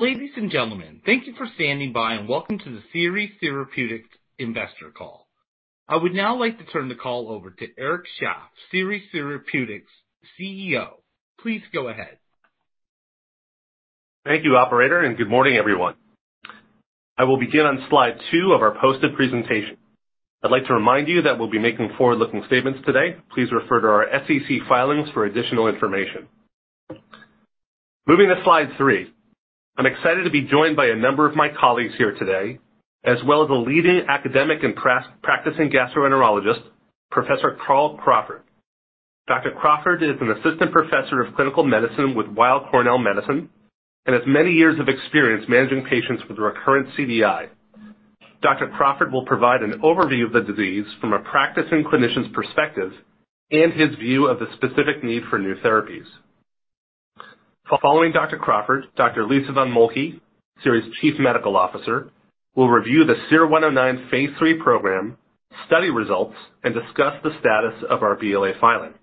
Ladies and gentlemen, thank you for standing by, and welcome to the Seres Therapeutics Investor call. I would now like to turn the call over to Eric Shaff, Seres Therapeutics' CEO. Please go ahead. Thank you operator. Good morning, everyone. I will begin on slide 2 of our posted presentation. I'd like to remind you that we'll be making forward-looking statements today. Please refer to our SEC filings for additional information. Moving to slide 3. I'm excited to be joined by a number of my colleagues here today, as well as a leading academic and practicing gastroenterologist, Professor Carl Crawford. Dr. Crawford is an Assistant Professor of Clinical Medicine with Weill Cornell Medicine, and has many years of experience managing patients with recurrent CDI. Dr. Crawford will provide an overview of the disease from a practicing clinician's perspective and his view of the specific need for new therapies. Following Dr. Crawford, Dr. Lisa von Moltke, Seres' Chief Medical Officer, will review the SER-109 phase III program, study results, and discuss the status of our BLA filing.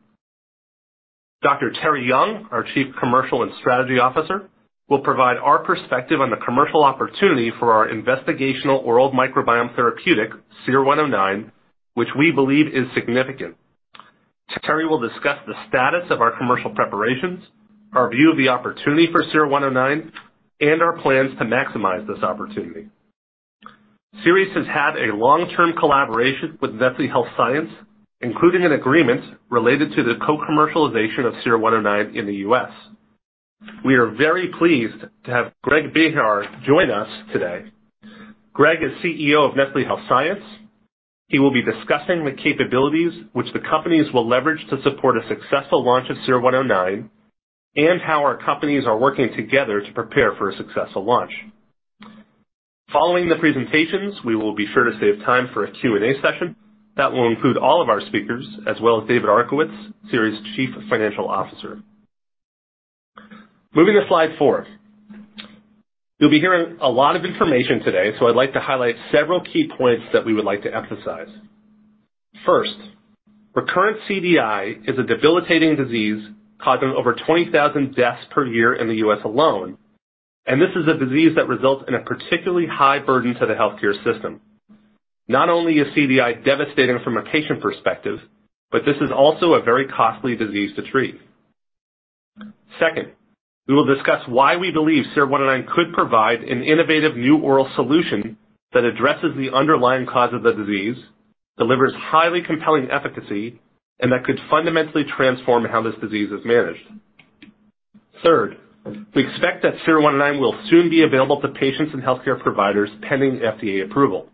Terri Young, our Chief Commercial and Strategy Officer, will provide our perspective on the commercial opportunity for our investigational oral microbiome therapeutic, SER-109, which we believe is significant. Terri will discuss the status of our commercial preparations, our view of the opportunity for SER-109, and our plans to maximize this opportunity. Seres has had a long-term collaboration with Nestlé Health Science, including an agreement related to the co-commercialization of SER-109 in the U.S. We are very pleased to have Greg Behar join us today. Greg is CEO of Nestlé Health Science. He will be discussing the capabilities which the companies will leverage to support a successful launch of SER-109, and how our companies are working together to prepare for a successful launch. Following the presentations, we will be sure to save time for a Q&A session that will include all of our speakers, as well as David Arkowitz, Seres' Chief Financial Officer. Moving to slide 4. I'd like to highlight several key points that we would like to emphasize. First, recurrent CDI is a debilitating disease causing over 20,000 deaths per year in the U.S. alone. This is a disease that results in a particularly high burden to the healthcare system. Not only is CDI devastating from a patient perspective, this is also a very costly disease to treat. Second, we will discuss why we believe SER-109 could provide an innovative new oral solution that addresses the underlying cause of the disease, delivers highly compelling efficacy, and that could fundamentally transform how this disease is managed. Third, we expect that SER-109 will soon be available to patients and healthcare providers pending FDA approval.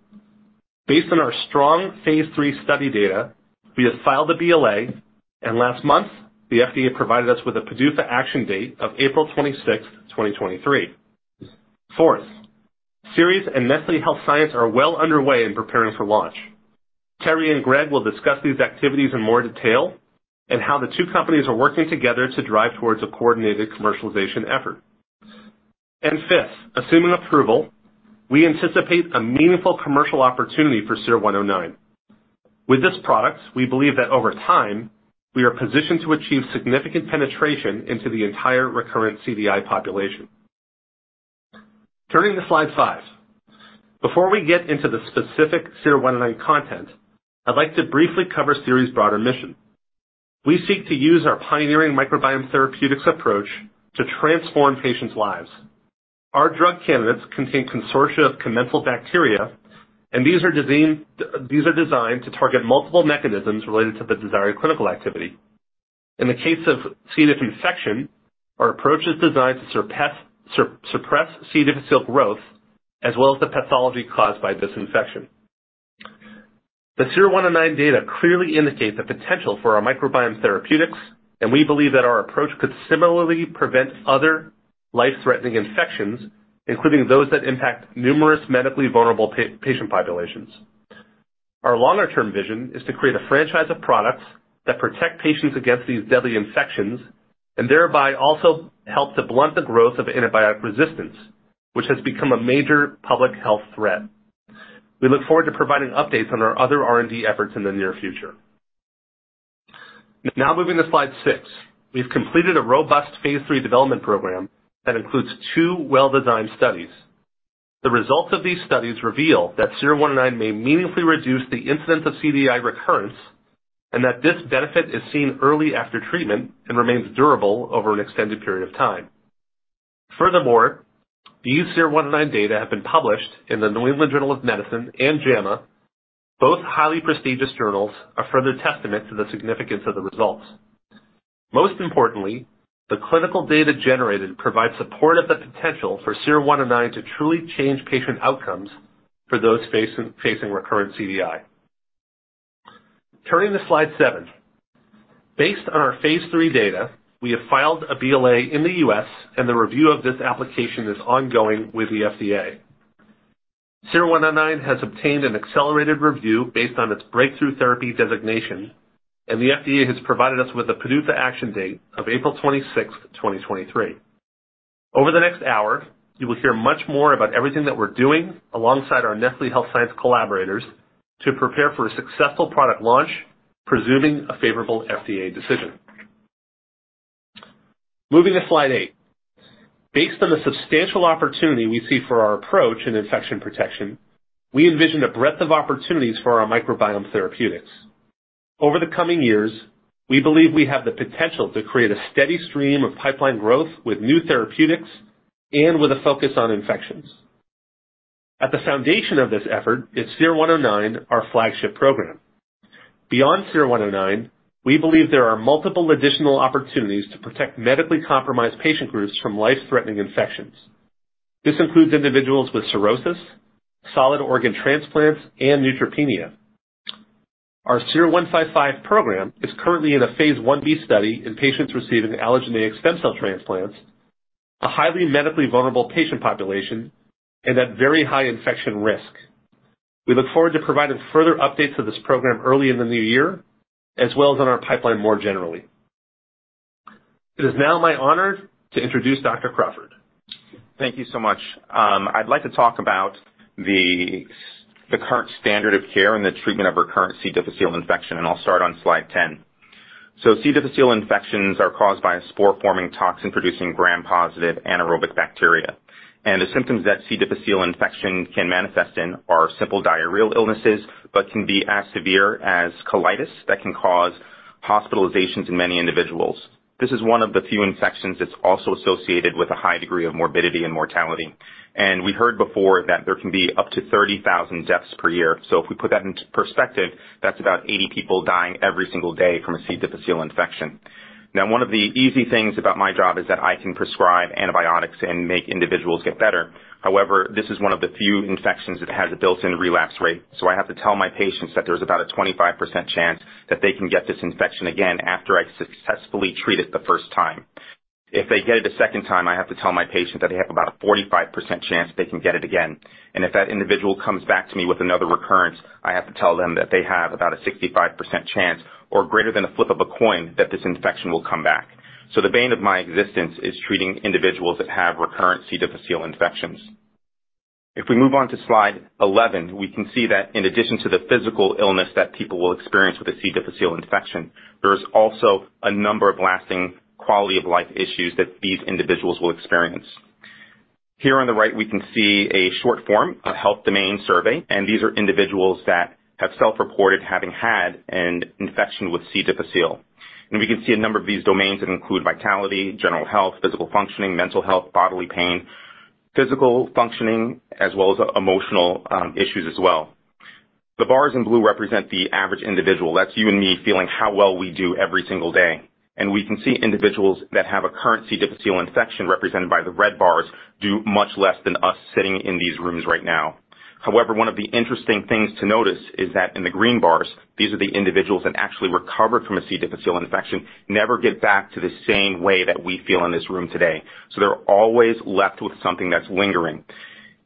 Based on our strong phase III study data, we have filed a BLA, and last month, the FDA provided us with a PDUFA action date of April 26, 2023. Fourth, Seres and Nestlé Health Science are well underway in preparing for launch. Terri and Greg will discuss these activities in more detail, and how the two companies are working together to drive towards a coordinated commercialization effort. Fifth, assuming approval, we anticipate a meaningful commercial opportunity for SER-109. With this product, we believe that over time, we are positioned to achieve significant penetration into the entire recurrent CDI population. Turning to slide 5. Before we get into the specific SER-109 content, I'd like to briefly cover Seres' broader mission. We seek to use our pioneering microbiome therapeutics approach to transform patients' lives. Our drug candidates contain consortia of commensal bacteria, and these are designed to target multiple mechanisms related to the desired clinical activity. In the case of C. diff infection, our approach is designed to suppress C. difficile growth, as well as the pathology caused by this infection. The SER-109 data clearly indicate the potential for our microbiome therapeutics, and we believe that our approach could similarly prevent other life-threatening infections, including those that impact numerous medically vulnerable patient populations. Our longer term vision is to create a franchise of products that protect patients against these deadly infections and thereby also help to blunt the growth of antibiotic resistance, which has become a major public health threat. We look forward to providing updates on our other R&D efforts in the near future. Moving to slide 6. We've completed a robust phase III development program that includes two well-designed studies. The results of these studies reveal that SER-109 may meaningfully reduce the incidence of CDI recurrence. This benefit is seen early after treatment and remains durable over an extended period of time. These SER-109 data have been published in The New England Journal of Medicine and JAMA, both highly prestigious journals, a further testament to the significance of the results. The clinical data generated provides support of the potential for SER-109 to truly change patient outcomes for those facing recurrent CDI. Turning to slide 7. Based on our phase III data, we have filed a BLA in the U.S. The review of this application is ongoing with the FDA. SER-109 has obtained an accelerated review based on its Breakthrough Therapy designation, and the FDA has provided us with a PDUFA action date of April 26, 2023. Over the next hour, you will hear much more about everything that we're doing alongside our Nestlé Health Science collaborators to prepare for a successful product launch, presuming a favorable FDA decision. Moving to slide 8. Based on the substantial opportunity we see for our approach in infection protection, we envision a breadth of opportunities for our microbiome therapeutics. Over the coming years, we believe we have the potential to create a steady stream of pipeline growth with new therapeutics and with a focus on infections. At the foundation of this effort is SER-109, our flagship program. Beyond SER-109, we believe there are multiple additional opportunities to protect medically compromised patient groups from life-threatening infections. This includes individuals with cirrhosis, solid organ transplants, and neutropenia. Our SER-155 program is currently in a phase I-B study in patients receiving allogeneic stem cell transplants, a highly medically vulnerable patient population and at very high infection risk. We look forward to providing further updates of this program early in the new year, as well as on our pipeline more generally. It is now my honor to introduce Dr. Crawford. Thank you so much. I'd like to talk about the current standard of care in the treatment of recurrent C. difficile infection. I'll start on slide 10. C. difficile infections are caused by a spore-forming toxin, producing gram-positive anaerobic bacteria. The symptoms that C. difficile infection can manifest in are simple diarrheal illnesses, but can be as severe as colitis that can cause hospitalizations in many individuals. This is one of the few infections that's also associated with a high degree of morbidity and mortality. We heard before that there can be up to 30,000 deaths per year. If we put that into perspective, that's about 80 people dying every single day from a C. difficile infection. Now, one of the easy things about my job is that I can prescribe antibiotics and make individuals get better. However, this is one of the few infections that has a built-in relapse rate. I have to tell my patients that there's about a 25% chance that they can get this infection again after I successfully treat it the first time. If they get it a second time, I have to tell my patient that they have about a 45% chance they can get it again. If that individual comes back to me with another recurrence, I have to tell them that they have about a 65% chance or greater than a flip of a coin that this infection will come back. The bane of my existence is treating individuals that have recurrent C. difficile infections. If we move on to slide 11, we can see that in addition to the physical illness that people will experience with a C. difficile infection, there is also a number of lasting quality of life issues that these individuals will experience. Here on the right, we can see a short form, a health domain survey, and these are individuals that have self-reported having had an infection with C. difficile. We can see a number of these domains that include vitality, general health, physical functioning, mental health, bodily pain, physical functioning, as well as emotional issues as well. The bars in blue represent the average individual. That's you and me feeling how well we do every single day. We can see individuals that have a current C. difficile infection represented by the red bars do much less than us sitting in these rooms right now. However, one of the interesting things to notice is that in the green bars, these are the individuals that actually recovered from a C. difficile infection, never get back to the same way that we feel in this room today. They're always left with something that's lingering.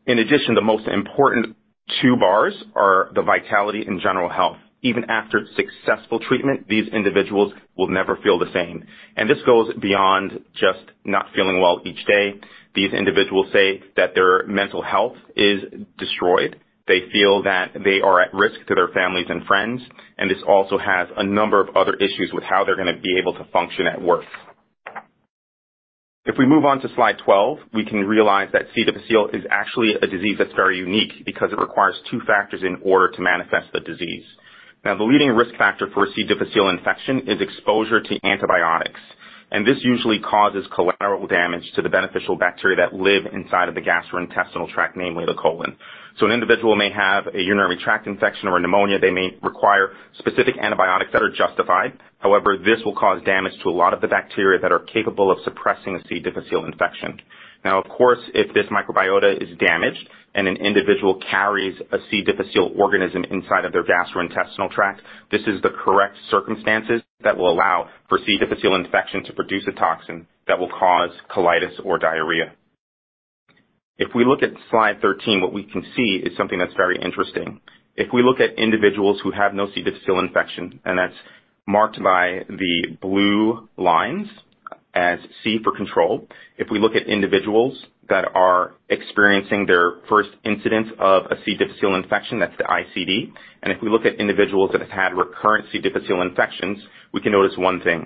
In addition, the most important 2 bars are the vitality and general health. Even after successful treatment, these individuals will never feel the same, and this goes beyond just not feeling well each day. These individuals say that their mental health is destroyed. They feel that they are at risk to their families and friends, and this also has a number of other issues with how they're gonna be able to function at work. If we move on to slide 12, we can realize that C. difficile is actually a disease that's very unique because it requires 2 factors in order to manifest the disease. The leading risk factor for a C. difficile infection is exposure to antibiotics, this usually causes collateral damage to the beneficial bacteria that live inside of the gastrointestinal tract, namely the colon. An individual may have a urinary tract infection or a pneumonia, they may require specific antibiotics that are justified. However, this will cause damage to a lot of the bacteria that are capable of suppressing a C. difficile infection. Of course, if this microbiota is damaged and an individual carries a C. difficile organism inside of their gastrointestinal tract, this is the correct circumstances that will allow for C. difficile infection to produce a toxin that will cause colitis or diarrhea. If we look at slide 13, what we can see is something that's very interesting. If we look at individuals who have no C. difficile infection, and that's marked by the blue lines as C for control. If we look at individuals that are experiencing their first incidence of a C. difficile infection, that's the CDI. If we look at individuals that have had recurrent C. difficile infections, we can notice one thing.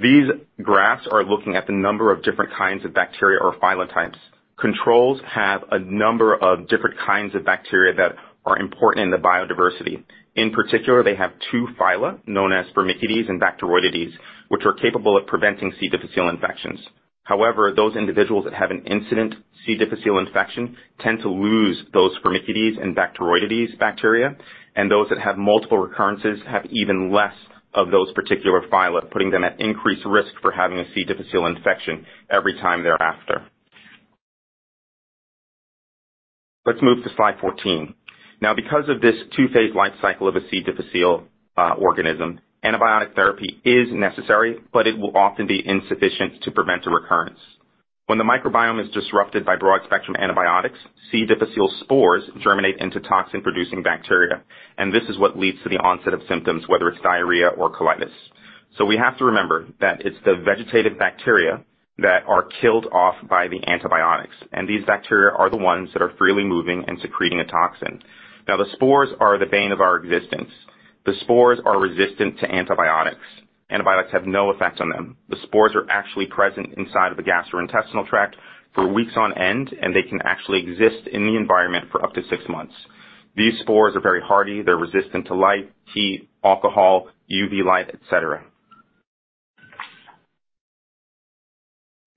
These graphs are looking at the number of different kinds of bacteria or phylotypes. Controls have a number of different kinds of bacteria that are important in the biodiversity. In particular, they have two phyla, known as Firmicutes and Bacteroidetes, which are capable of preventing C. difficile infections. However, those individuals that have an incident C. difficile infection tend to lose those Firmicutes and Bacteroidetes bacteria, and those that have multiple recurrences have even less of those particular phyla, putting them at increased risk for having a C. difficile infection every time thereafter. Let's move to slide 14. Because of this two-phase life cycle of a C. C. difficile organism, antibiotic therapy is necessary, but it will often be insufficient to prevent a recurrence. When the microbiome is disrupted by broad-spectrum antibiotics, C. difficile spores germinate into toxin-producing bacteria, and this is what leads to the onset of symptoms, whether it's diarrhea or colitis. We have to remember that it's the vegetative bacteria that are killed off by the antibiotics, and these bacteria are the ones that are freely moving and secreting a toxin. The spores are the bane of our existence. The spores are resistant to antibiotics. Antibiotics have no effect on them. The spores are actually present inside of the gastrointestinal tract for weeks on end, and they can actually exist in the environment for up to 6 months. These spores are very hardy. They're resistant to light, heat, alcohol, UV light, et cetera.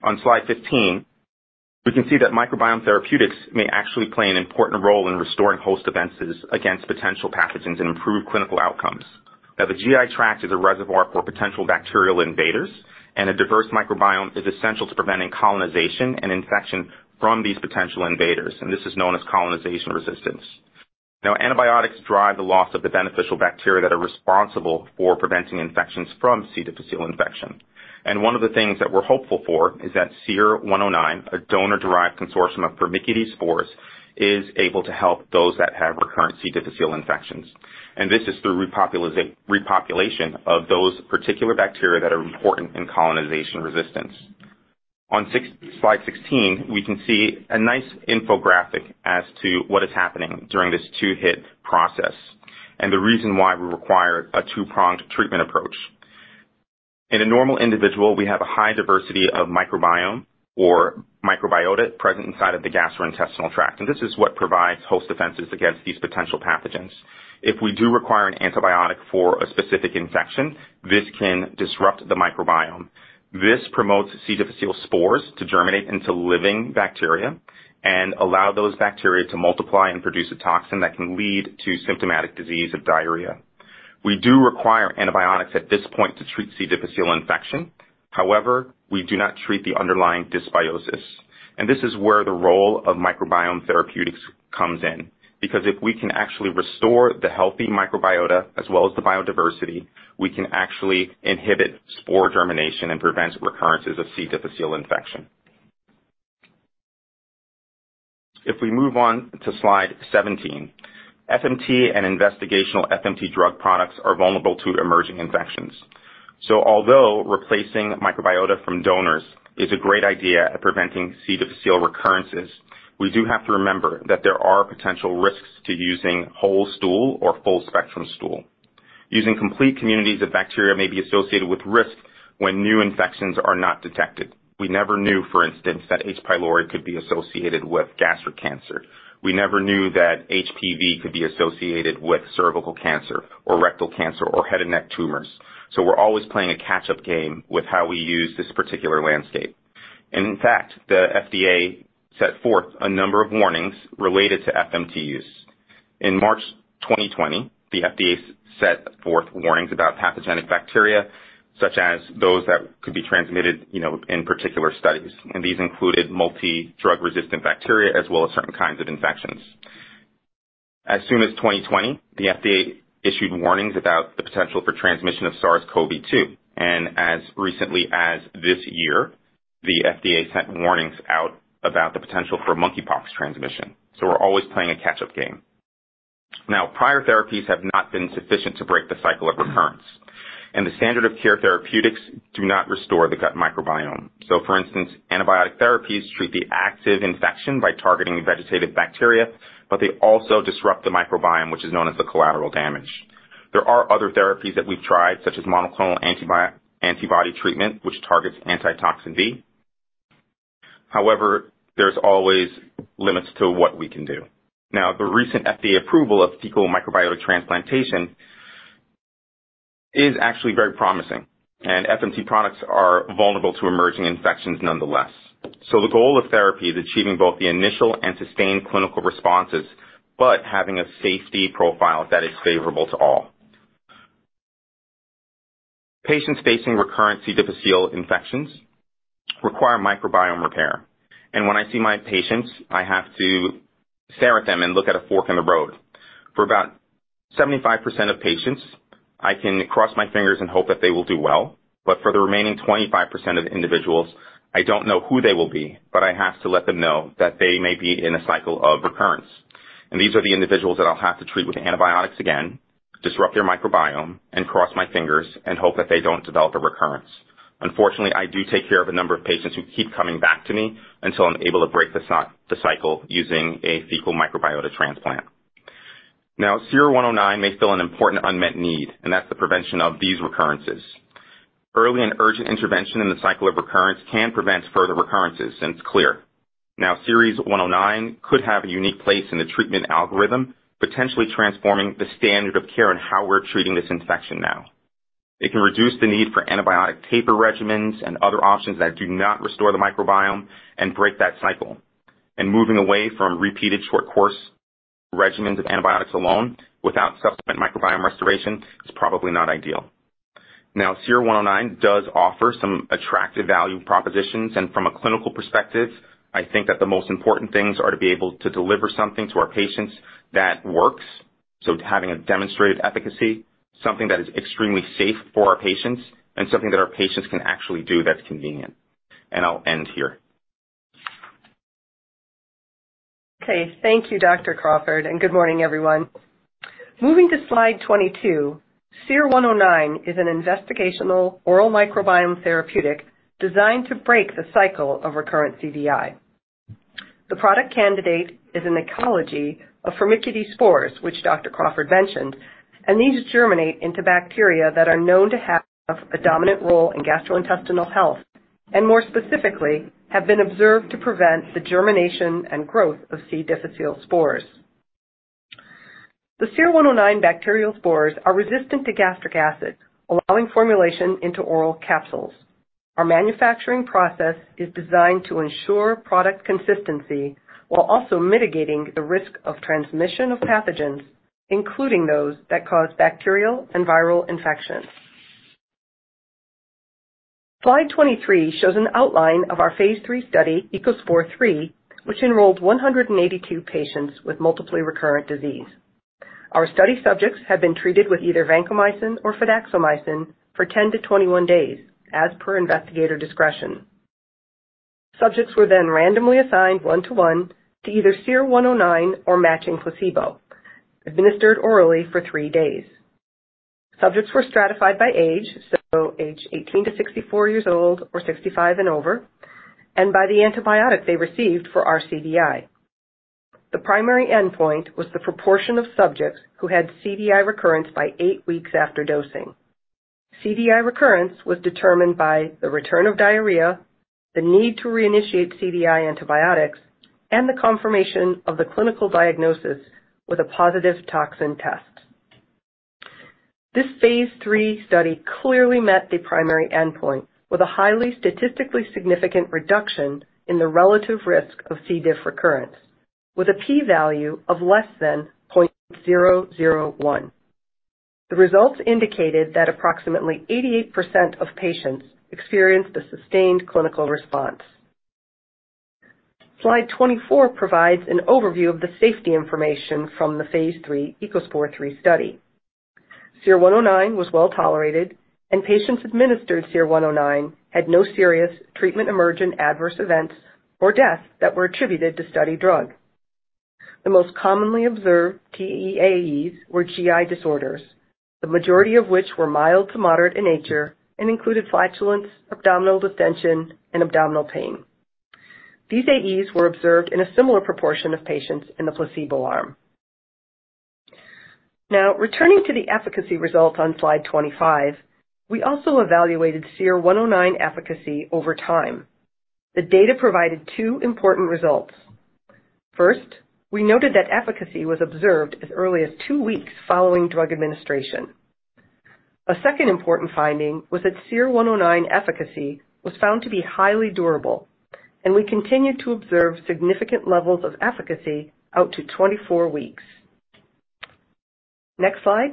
On slide 15, we can see that microbiome therapeutics may actually play an important role in restoring host defenses against potential pathogens and improve clinical outcomes. The GI tract is a reservoir for potential bacterial invaders. A diverse microbiome is essential to preventing colonization and infection from these potential invaders. This is known as colonization resistance. Antibiotics drive the loss of the beneficial bacteria that are responsible for preventing infections from C. difficile infection. One of the things that we're hopeful for is that SER-109, a donor-derived consortium of Firmicutes spores, is able to help those that have recurrent C. difficile infections. This is through repopulation of those particular bacteria that are important in colonization resistance. On slide 16, we can see a nice infographic as to what is happening during this two-hit process and the reason why we require a two-pronged treatment approach. In a normal individual, we have a high diversity of microbiome or microbiota present inside of the gastrointestinal tract, and this is what provides host defenses against these potential pathogens. If we do require an antibiotic for a specific infection, this can disrupt the microbiome. This promotes C. difficile spores to germinate into living bacteria and allow those bacteria to multiply and produce a toxin that can lead to symptomatic disease of diarrhea. We do require antibiotics at this point to treat C. difficile infection. However, we do not treat the underlying dysbiosis. This is where the role of microbiome therapeutics comes in. If we can actually restore the healthy microbiota as well as the biodiversity, we can actually inhibit spore germination and prevent recurrences of C. difficile infection. We move on to slide 17, FMT and investigational FMT drug products are vulnerable to emerging infections. Although replacing microbiota from donors is a great idea at preventing C. difficile recurrences, we do have to remember that there are potential risks to using whole stool or full-spectrum stool. Using complete communities of bacteria may be associated with risk when new infections are not detected. We never knew, for instance, that H. pylori could be associated with gastric cancer. We never knew that HPV could be associated with cervical cancer or rectal cancer or head and neck tumors. We're always playing a catch-up game with how we use this particular landscape. In fact, the FDA set forth a number of warnings related to FMT use. In March 2020, the FDA set forth warnings about pathogenic bacteria, such as those that could be transmitted, you know, in particular studies. These included multi-drug-resistant bacteria as well as certain kinds of infections. As soon as 2020, the FDA issued warnings about the potential for transmission of SARS-CoV-2. As recently as this year, the FDA sent warnings out about the potential for mpox transmission. We're always playing a catch-up game. Prior therapies have not been sufficient to break the cycle of recurrence, and the standard of care therapeutics do not restore the gut microbiome. For instance, antibiotic therapies treat the active infection by targeting vegetative bacteria, but they also disrupt the microbiome, which is known as the collateral damage. There are other therapies that we've tried, such as monoclonal antibody treatment, which targets anti-toxin D. However, there's always limits to what we can do. The recent FDA approval of fecal microbiota transplantation is actually very promising, and FMT products are vulnerable to emerging infections nonetheless. The goal of therapy is achieving both the initial and sustained clinical responses, but having a safety profile that is favorable to all. Patients facing recurrent C. difficile infections require microbiome repair. When I see my patients, I have to stare at them and look at a fork in the road. For about 75% of patients, I can cross my fingers and hope that they will do well, but for the remaining 25% of individuals, I don't know who they will be, but I have to let them know that they may be in a cycle of recurrence. These are the individuals that I'll have to treat with antibiotics again, disrupt their microbiome, and cross my fingers and hope that they don't develop a recurrence. Unfortunately, I do take care of a number of patients who keep coming back to me until I'm able to break the cycle using a fecal microbiota transplant. SER-109 may fill an important unmet need, and that's the prevention of these recurrences. Early and urgent intervention in the cycle of recurrence can prevent further recurrences, and it's clear. SER-109 could have a unique place in the treatment algorithm, potentially transforming the standard of care in how we're treating this infection now. It can reduce the need for antibiotic taper regimens and other options that do not restore the microbiome and break that cycle. Moving away from repeated short course regimens of antibiotics alone without subsequent microbiome restoration is probably not ideal. Now, SER-109 does offer some attractive value propositions. From a clinical perspective, I think that the most important things are to be able to deliver something to our patients that works, so having a demonstrated efficacy, something that is extremely safe for our patients, and something that our patients can actually do that's convenient. I'll end here. Okay. Thank you, Dr. Crawford. Good morning, everyone. Moving to slide 22, SER-109 is an investigational oral microbiome therapeutic designed to break the cycle of recurrent CDI. The product candidate is an ecology of Firmicutes spores, which Dr. Crawford mentioned. These germinate into bacteria that are known to have a dominant role in gastrointestinal health, more specifically, have been observed to prevent the germination and growth of C. difficile spores. The SER-109 bacterial spores are resistant to gastric acid, allowing formulation into oral capsules. Our manufacturing process is designed to ensure product consistency while also mitigating the risk of transmission of pathogens, including those that cause bacterial and viral infections. Slide 23 shows an outline of our phase III study, ECOSPOR III, which enrolled 182 patients with multiply recurrent disease. Our study subjects have been treated with either vancomycin or fidaxomicin for 10-21 days as per investigator discretion. Subjects were randomly assigned 1 to 1 to either SER-109 or matching placebo, administered orally for three days. Subjects were stratified by age 18-64 years old or 65 and over, and by the antibiotic they received for rCDI. The primary endpoint was the proportion of subjects who had CDI recurrence by eight weeks after dosing. CDI recurrence was determined by the return of diarrhea, the need to reinitiate CDI antibiotics, and the confirmation of the clinical diagnosis with a positive toxin test. This phase III study clearly met the primary endpoint with a highly statistically significant reduction in the relative risk of C. diff recurrence with a P value of less than 0.001. The results indicated that approximately 88% of patients experienced a sustained clinical response. Slide 24 provides an overview of the safety information from the phase III ECOSPOR III study. SER-109 was well tolerated and patients administered SER-109 had no Serious Treatment-Emergent Adverse Events or deaths that were attributed to study drug. The most commonly observed TEAEs were GI disorders, the majority of which were mild to moderate in nature and included flatulence, abdominal distension, and abdominal pain. These AEs were observed in a similar proportion of patients in the placebo arm. Returning to the efficacy results on slide 25, we also evaluated SER-109 efficacy over time. The data provided 2 important results. First, we noted that efficacy was observed as early as 2 weeks following drug administration. A second important finding was that SER-109 efficacy was found to be highly durable, and we continued to observe significant levels of efficacy out to 24 weeks. Next slide.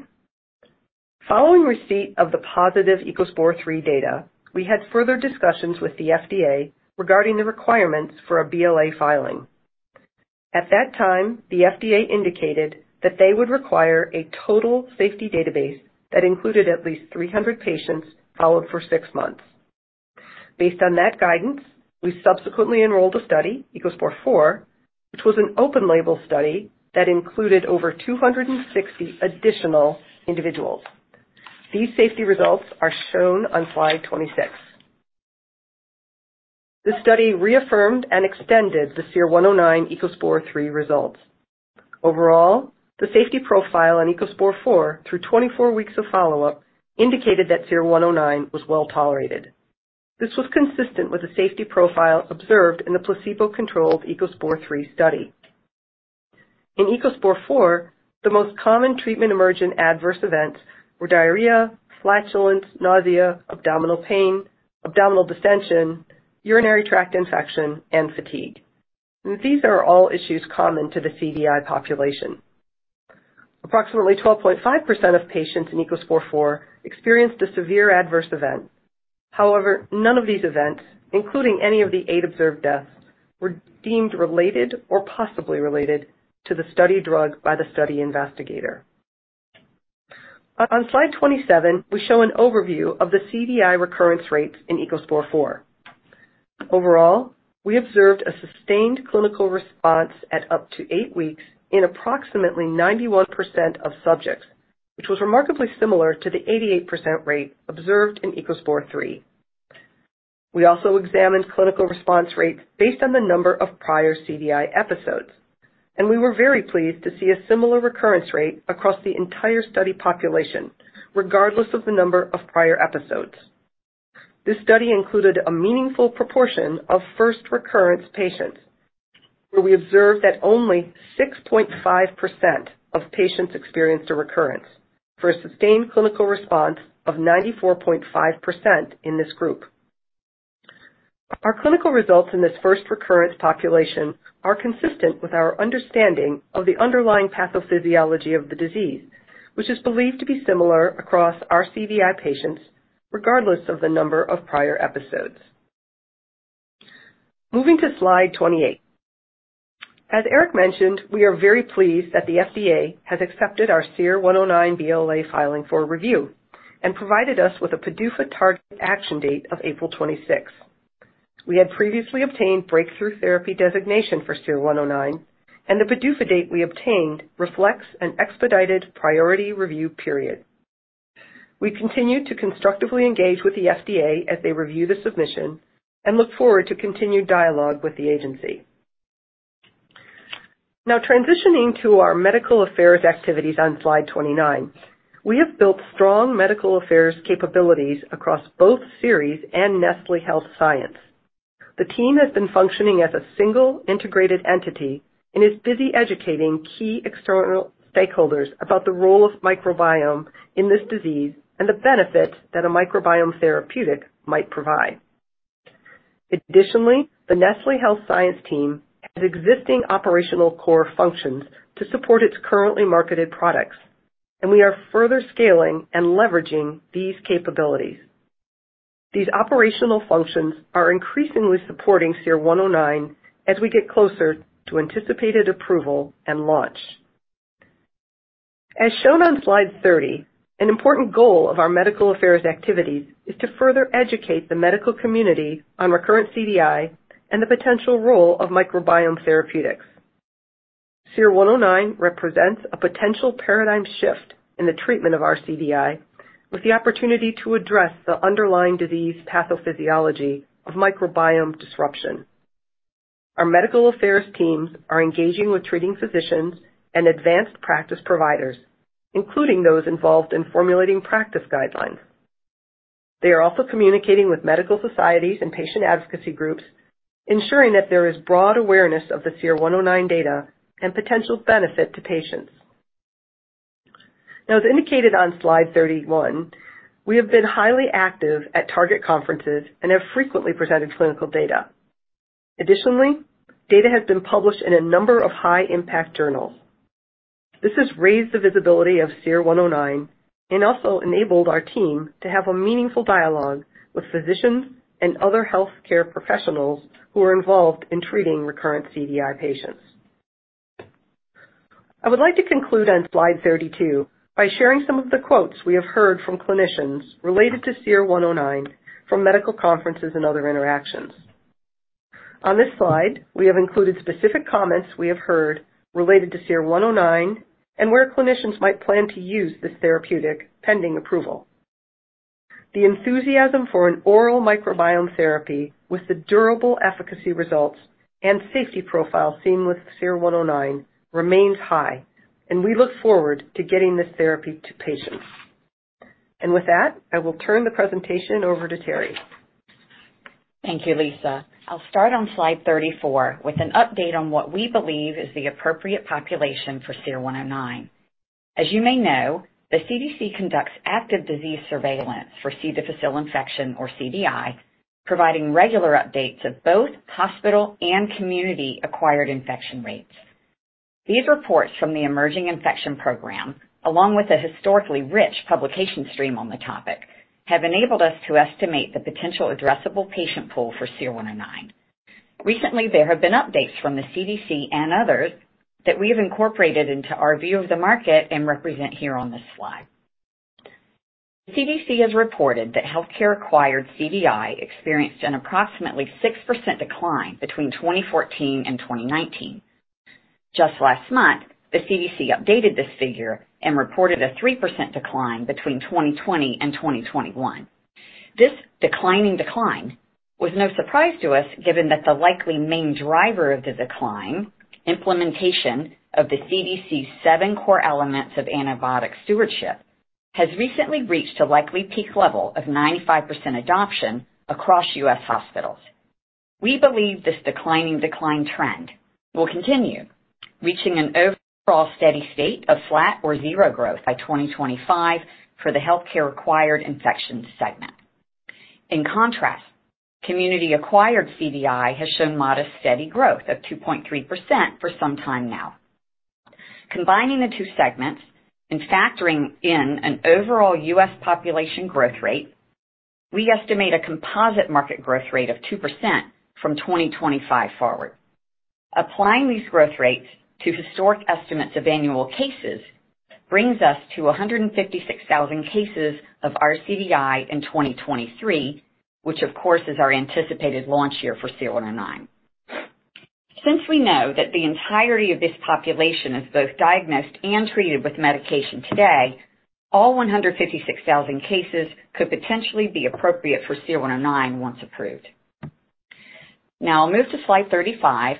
Following receipt of the positive ECOSPOR III data, we had further discussions with the FDA regarding the requirements for a BLA filing. At that time, the FDA indicated that they would require a total safety database that included at least 300 patients followed for 6 months. Based on that guidance, we subsequently enrolled a study, ECOSPOR IV, which was an open-label study that included over 260 additional individuals. These safety results are shown on slide 26. The study reaffirmed and extended the SER-109 ECOSPOR III results. Overall, the safety profile in ECOSPOR IV through 24 weeks of follow-up indicated that SER-109 was well tolerated. This was consistent with the safety profile observed in the placebo-controlled ECOSPOR III study. In ECOSPOR IV, the most common Treatment-Emergent Adverse Events were diarrhea, flatulence, nausea, abdominal pain, abdominal distension, urinary tract infection, and fatigue. These are all issues common to the CDI population. Approximately 12.5% of patients in ECOSPOR IV experienced a severe adverse event. However, none of these events, including any of the eight observed deaths, were deemed related or possibly related to the study drug by the study investigator. On slide 27, we show an overview of the CDI recurrence rates in ECOSPOR IV. Overall, we observed a sustained clinical response at up to eight weeks in approximately 91% of subjects, which was remarkably similar to the 88% rate observed in ECOSPOR III. We also examined clinical response rates based on the number of prior CDI episodes. We were very pleased to see a similar recurrence rate across the entire study population, regardless of the number of prior episodes. This study included a meaningful proportion of first recurrence patients, where we observed that only 6.5% of patients experienced a recurrence for a sustained clinical response of 94.5% in this group. Our clinical results in this first recurrence population are consistent with our understanding of the underlying pathophysiology of the disease, which is believed to be similar across rCDI patients, regardless of the number of prior episodes. Moving to slide 28. As Eric mentioned, we are very pleased that the FDA has accepted our SER-109 BLA filing for review and provided us with a PDUFA target action date of April 26. We had previously obtained Breakthrough Therapy designation for SER-109, and the PDUFA date we obtained reflects an expedited priority review period. We continue to constructively engage with the FDA as they review the submission and look forward to continued dialogue with the agency. Transitioning to our medical affairs activities on slide 29. We have built strong medical affairs capabilities across both Seres and Nestlé Health Science. The team has been functioning as a single integrated entity and is busy educating key external stakeholders about the role of microbiome in this disease and the benefits that a microbiome therapeutic might provide. The Nestlé Health Science team has existing operational core functions to support its currently marketed products, and we are further scaling and leveraging these capabilities. These operational functions are increasingly supporting SER-109 as we get closer to anticipated approval and launch. As shown on slide 30, an important goal of our medical affairs activities is to further educate the medical community on recurrent CDI and the potential role of microbiome therapeutics. SER-109 represents a potential paradigm shift in the treatment of rCDI, with the opportunity to address the underlying disease pathophysiology of microbiome disruption. Our medical affairs teams are engaging with treating physicians and advanced practice providers, including those involved in formulating practice guidelines. They are also communicating with medical societies and patient advocacy groups, ensuring that there is broad awareness of the SER-109 data and potential benefit to patients. As indicated on slide 31, we have been highly active at target conferences and have frequently presented clinical data. Additionally, data has been published in a number of high impact journals. This has raised the visibility of SER-109 and also enabled our team to have a meaningful dialogue with physicians and other healthcare professionals who are involved in treating recurrent CDI patients. I would like to conclude on slide 32 by sharing some of the quotes we have heard from clinicians related to SER-109 from medical conferences and other interactions. On this slide, we have included specific comments we have heard related to SER-109 and where clinicians might plan to use this therapeutic pending approval. The enthusiasm for an oral microbiome therapy with the durable efficacy results and safety profile seen with SER-109 remains high, and we look forward to getting this therapy to patients. With that, I will turn the presentation over to Terri. Thank you, Lisa. I'll start on slide 34 with an update on what we believe is the appropriate population for SER-109. As you may know, the CDC conducts active disease surveillance for C. difficile infection or CDI, providing regular updates of both hospital and community acquired infection rates. These reports from the Emerging Infections Program, along with a historically rich publication stream on the topic, have enabled us to estimate the potential addressable patient pool for SER-109. Recently, there have been updates from the CDC and others that we have incorporated into our view of the market and represent here on this slide. CDC has reported that healthcare acquired CDI experienced an approximately 6% decline between 2014 and 2019. Just last month, the CDC updated this figure and reported a 3% decline between 2020 and 2021. This declining decline was no surprise to us, given that the likely main driver of the decline, implementation of the CDC 7 Core Elements of Antibiotic Stewardship, has recently reached a likely peak level of 95% adoption across U.S. hospitals. We believe this declining decline trend will continue, reaching an overall steady state of flat or zero growth by 2025 for the healthcare-acquired infections segment. In contrast, community-acquired CDI has shown modest, steady growth of 2.3% for some time now. Combining the two segments and factoring in an overall U.S. population growth rate, we estimate a composite market growth rate of 2% from 2025 forward. Applying these growth rates to historic estimates of annual cases brings us to 156,000 cases of rCDI in 2023, which of course is our anticipated launch year for SER-109. Since we know that the entirety of this population is both diagnosed and treated with medication today, all 156,000 cases could potentially be appropriate for SER-109 once approved. I'll move to slide 35.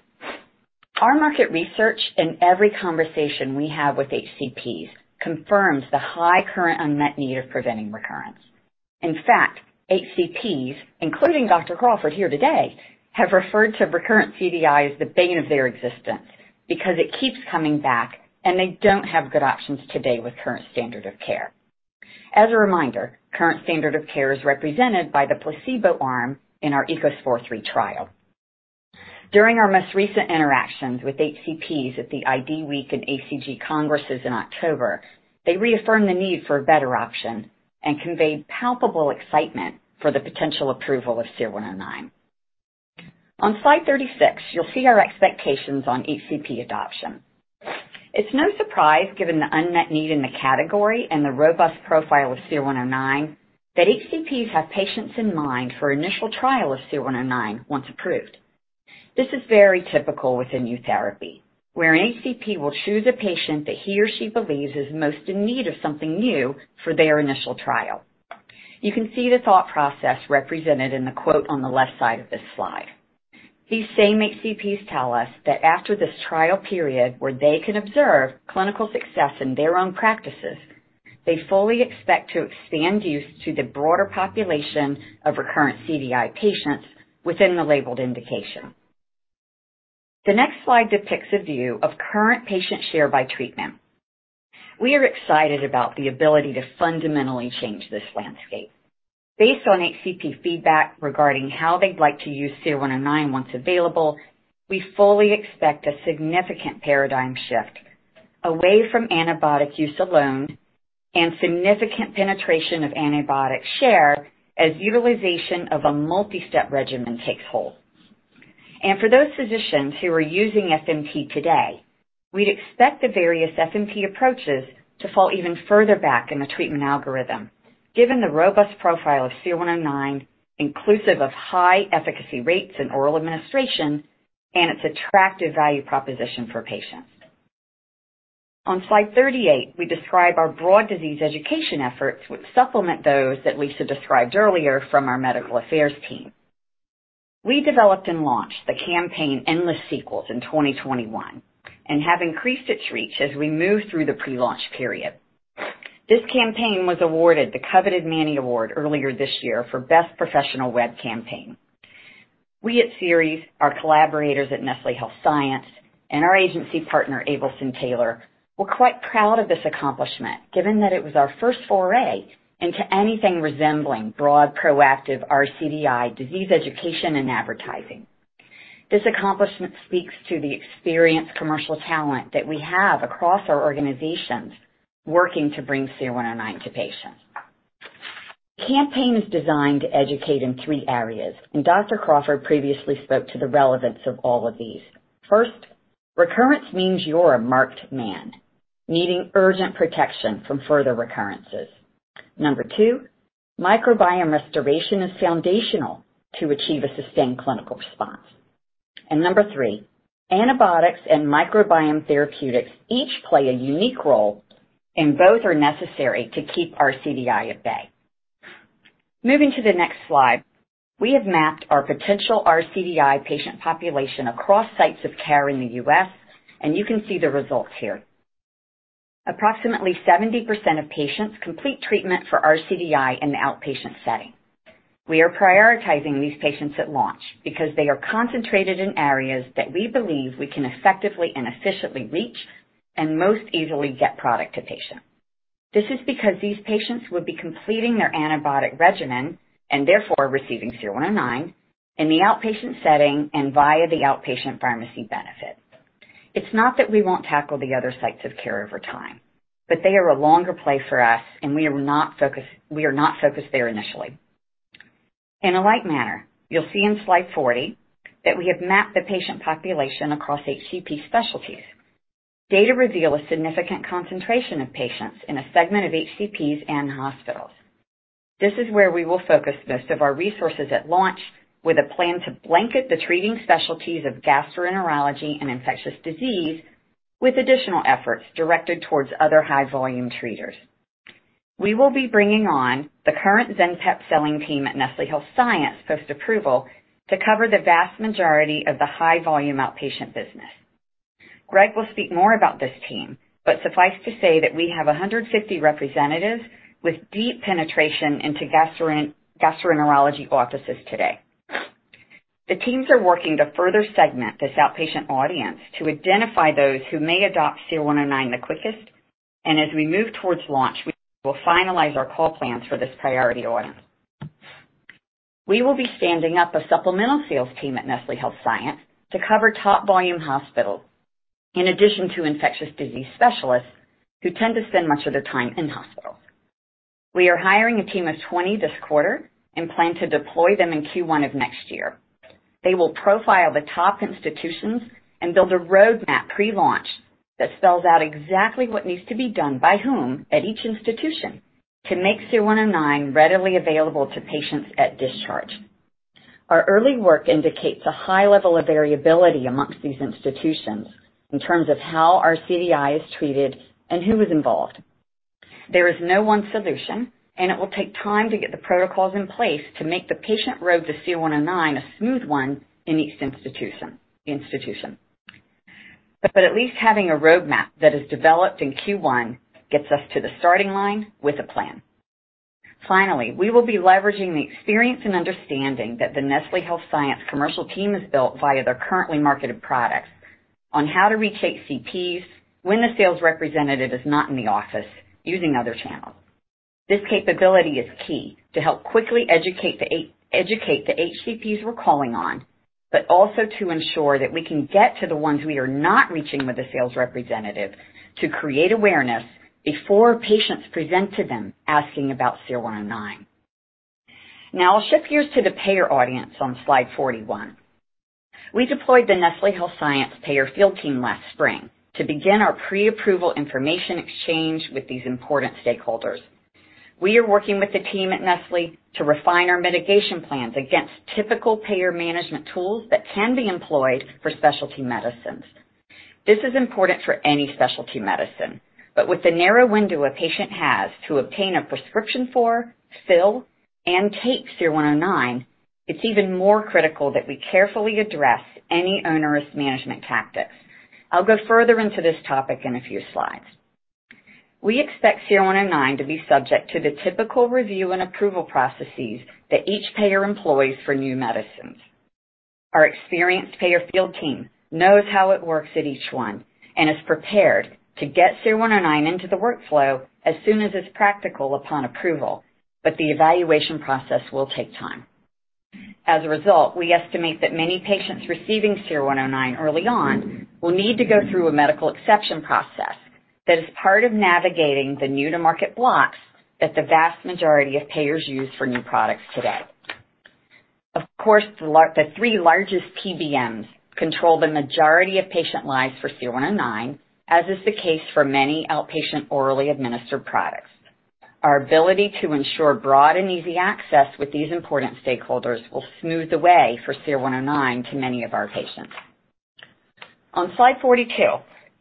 Our market research and every conversation we have with HCPs confirms the high current unmet need of preventing recurrence. In fact, HCPs, including Dr. Crawford here today, have referred to recurrent CDI as the bane of their existence because it keeps coming back and they don't have good options today with current standard of care. As a reminder, current standard of care is represented by the placebo arm in our ECOSPOR III trial. During our most recent interactions with HCPs at the IDWeek and ACG congresses in October, they reaffirmed the need for a better option and conveyed palpable excitement for the potential approval of SER-109. On slide 36, you'll see our expectations on HCP adoption. It's no surprise, given the unmet need in the category and the robust profile of SER-109, that HCPs have patients in mind for initial trial of SER-109 once approved. This is very typical with a new therapy, where an HCP will choose a patient that he or she believes is most in need of something new for their initial trial. You can see the thought process represented in the quote on the left side of this slide. These same HCPs tell us that after this trial period where they can observe clinical success in their own practices, they fully expect to expand use to the broader population of recurrent CDI patients within the labeled indication. The next slide depicts a view of current patient share by treatment. We are excited about the ability to fundamentally change this landscape. Based on HCP feedback regarding how they'd like to use SER-109 once available, we fully expect a significant paradigm shift away from antibiotic use alone and significant penetration of antibiotic share as utilization of a multi-step regimen takes hold. For those physicians who are using FMT today, we'd expect the various FMT approaches to fall even further back in the treatment algorithm, given the robust profile of SER-109, inclusive of high efficacy rates in oral administration and its attractive value proposition for patients. On slide 38, we describe our broad disease education efforts, which supplement those that Lisa described earlier from our medical affairs team. We developed and launched the campaign Endless Sequels in 2021 and have increased its reach as we move through the pre-launch period. This campaign was awarded the coveted Manny Award earlier this year for best professional web campaign. We at Seres, our collaborators at Nestlé Health Science, and our agency partner, AbelsonTaylor, were quite proud of this accomplishment, given that it was our first foray into anything resembling broad, proactive rCDI disease education and advertising. This accomplishment speaks to the experienced commercial talent that we have across our organizations working to bring SER-109 to patients. The campaign is designed to educate in three areas, and Dr. Crawford previously spoke to the relevance of all of these. First, recurrence means you're a marked man, needing urgent protection from further recurrences. Number two, microbiome restoration is foundational to achieve a sustained clinical response. Number three, antibiotics and microbiome therapeutics each play a unique role, and both are necessary to keep rCDI at bay. Moving to the next slide, we have mapped our potential rCDI patient population across sites of care in the U.S. You can see the results here. Approximately 70% of patients complete treatment for rCDI in the outpatient setting. We are prioritizing these patients at launch because they are concentrated in areas that we believe we can effectively and efficiently reach and most easily get product to patient. This is because these patients would be completing their antibiotic regimen, and therefore receiving SER-109, in the outpatient setting and via the outpatient pharmacy benefit. It's not that we won't tackle the other sites of care over time, they are a longer play for us and we are not focused there initially. In a like manner, you'll see in slide 40 that we have mapped the patient population across HCP specialties. Data reveal a significant concentration of patients in a segment of HCPs and hospitals. This is where we will focus most of our resources at launch, with a plan to blanket the treating specialties of gastroenterology and infectious disease, with additional efforts directed towards other high-volume treaters. We will be bringing on the current ZENPEP selling team at Nestlé Health Science post-approval to cover the vast majority of the high-volume outpatient business. Greg will speak more about this team, but suffice to say that we have 150 representatives with deep penetration into gastroenterology offices today. The teams are working to further segment this outpatient audience to identify those who may adopt SER-109 the quickest, and as we move towards launch, we will finalize our call plans for this priority audience. We will be standing up a supplemental sales team at Nestlé Health Science to cover top volume hospitals in addition to infectious disease specialists who tend to spend much of their time in hospitals. We are hiring a team of 20 this quarter and plan to deploy them in Q1 of next year. They will profile the top institutions and build a roadmap pre-launch that spells out exactly what needs to be done by whom at each institution to make SER-109 readily available to patients at discharge. Our early work indicates a high level of variability amongst these institutions in terms of how rCDI is treated and who is involved. There is no one solution, and it will take time to get the protocols in place to make the patient road to SER-109 a smooth one in each institution. At least having a roadmap that is developed in Q1 gets us to the starting line with a plan. Finally, we will be leveraging the experience and understanding that the Nestlé Health Science commercial team has built via their currently marketed products on how to reach HCPs when the sales representative is not in the office using other channels. This capability is key to help quickly educate the educate the HCPs we're calling on, but also to ensure that we can get to the ones we are not reaching with a sales representative to create awareness before patients present to them asking about SER-109. I'll shift gears to the payer audience on slide 41. We deployed the Nestlé Health Science payer field team last spring to begin our pre-approval information exchange with these important stakeholders. We are working with the team at Nestlé to refine our mitigation plans against typical payer management tools that can be employed for specialty medicines. This is important for any specialty medicine, but with the narrow window a patient has to obtain a prescription for, fill, and take SER-109, it's even more critical that we carefully address any onerous management tactics. I'll go further into this topic in a few slides. We expect SER-109 to be subject to the typical review and approval processes that each payer employs for new medicines. Our experienced payer field team knows how it works at each one and is prepared to get SER-109 into the workflow as soon as it's practical upon approval. The evaluation process will take time. As a result, we estimate that many patients receiving SER-109 early on will need to go through a medical exception process that is part of navigating the new to market blocks that the vast majority of payers use for new products today. Of course, the three largest PBMs control the majority of patient lives for SER-109, as is the case for many outpatient orally administered products. Our ability to ensure broad and easy access with these important stakeholders will smooth the way for SER-109 to many of our patients. On slide 42,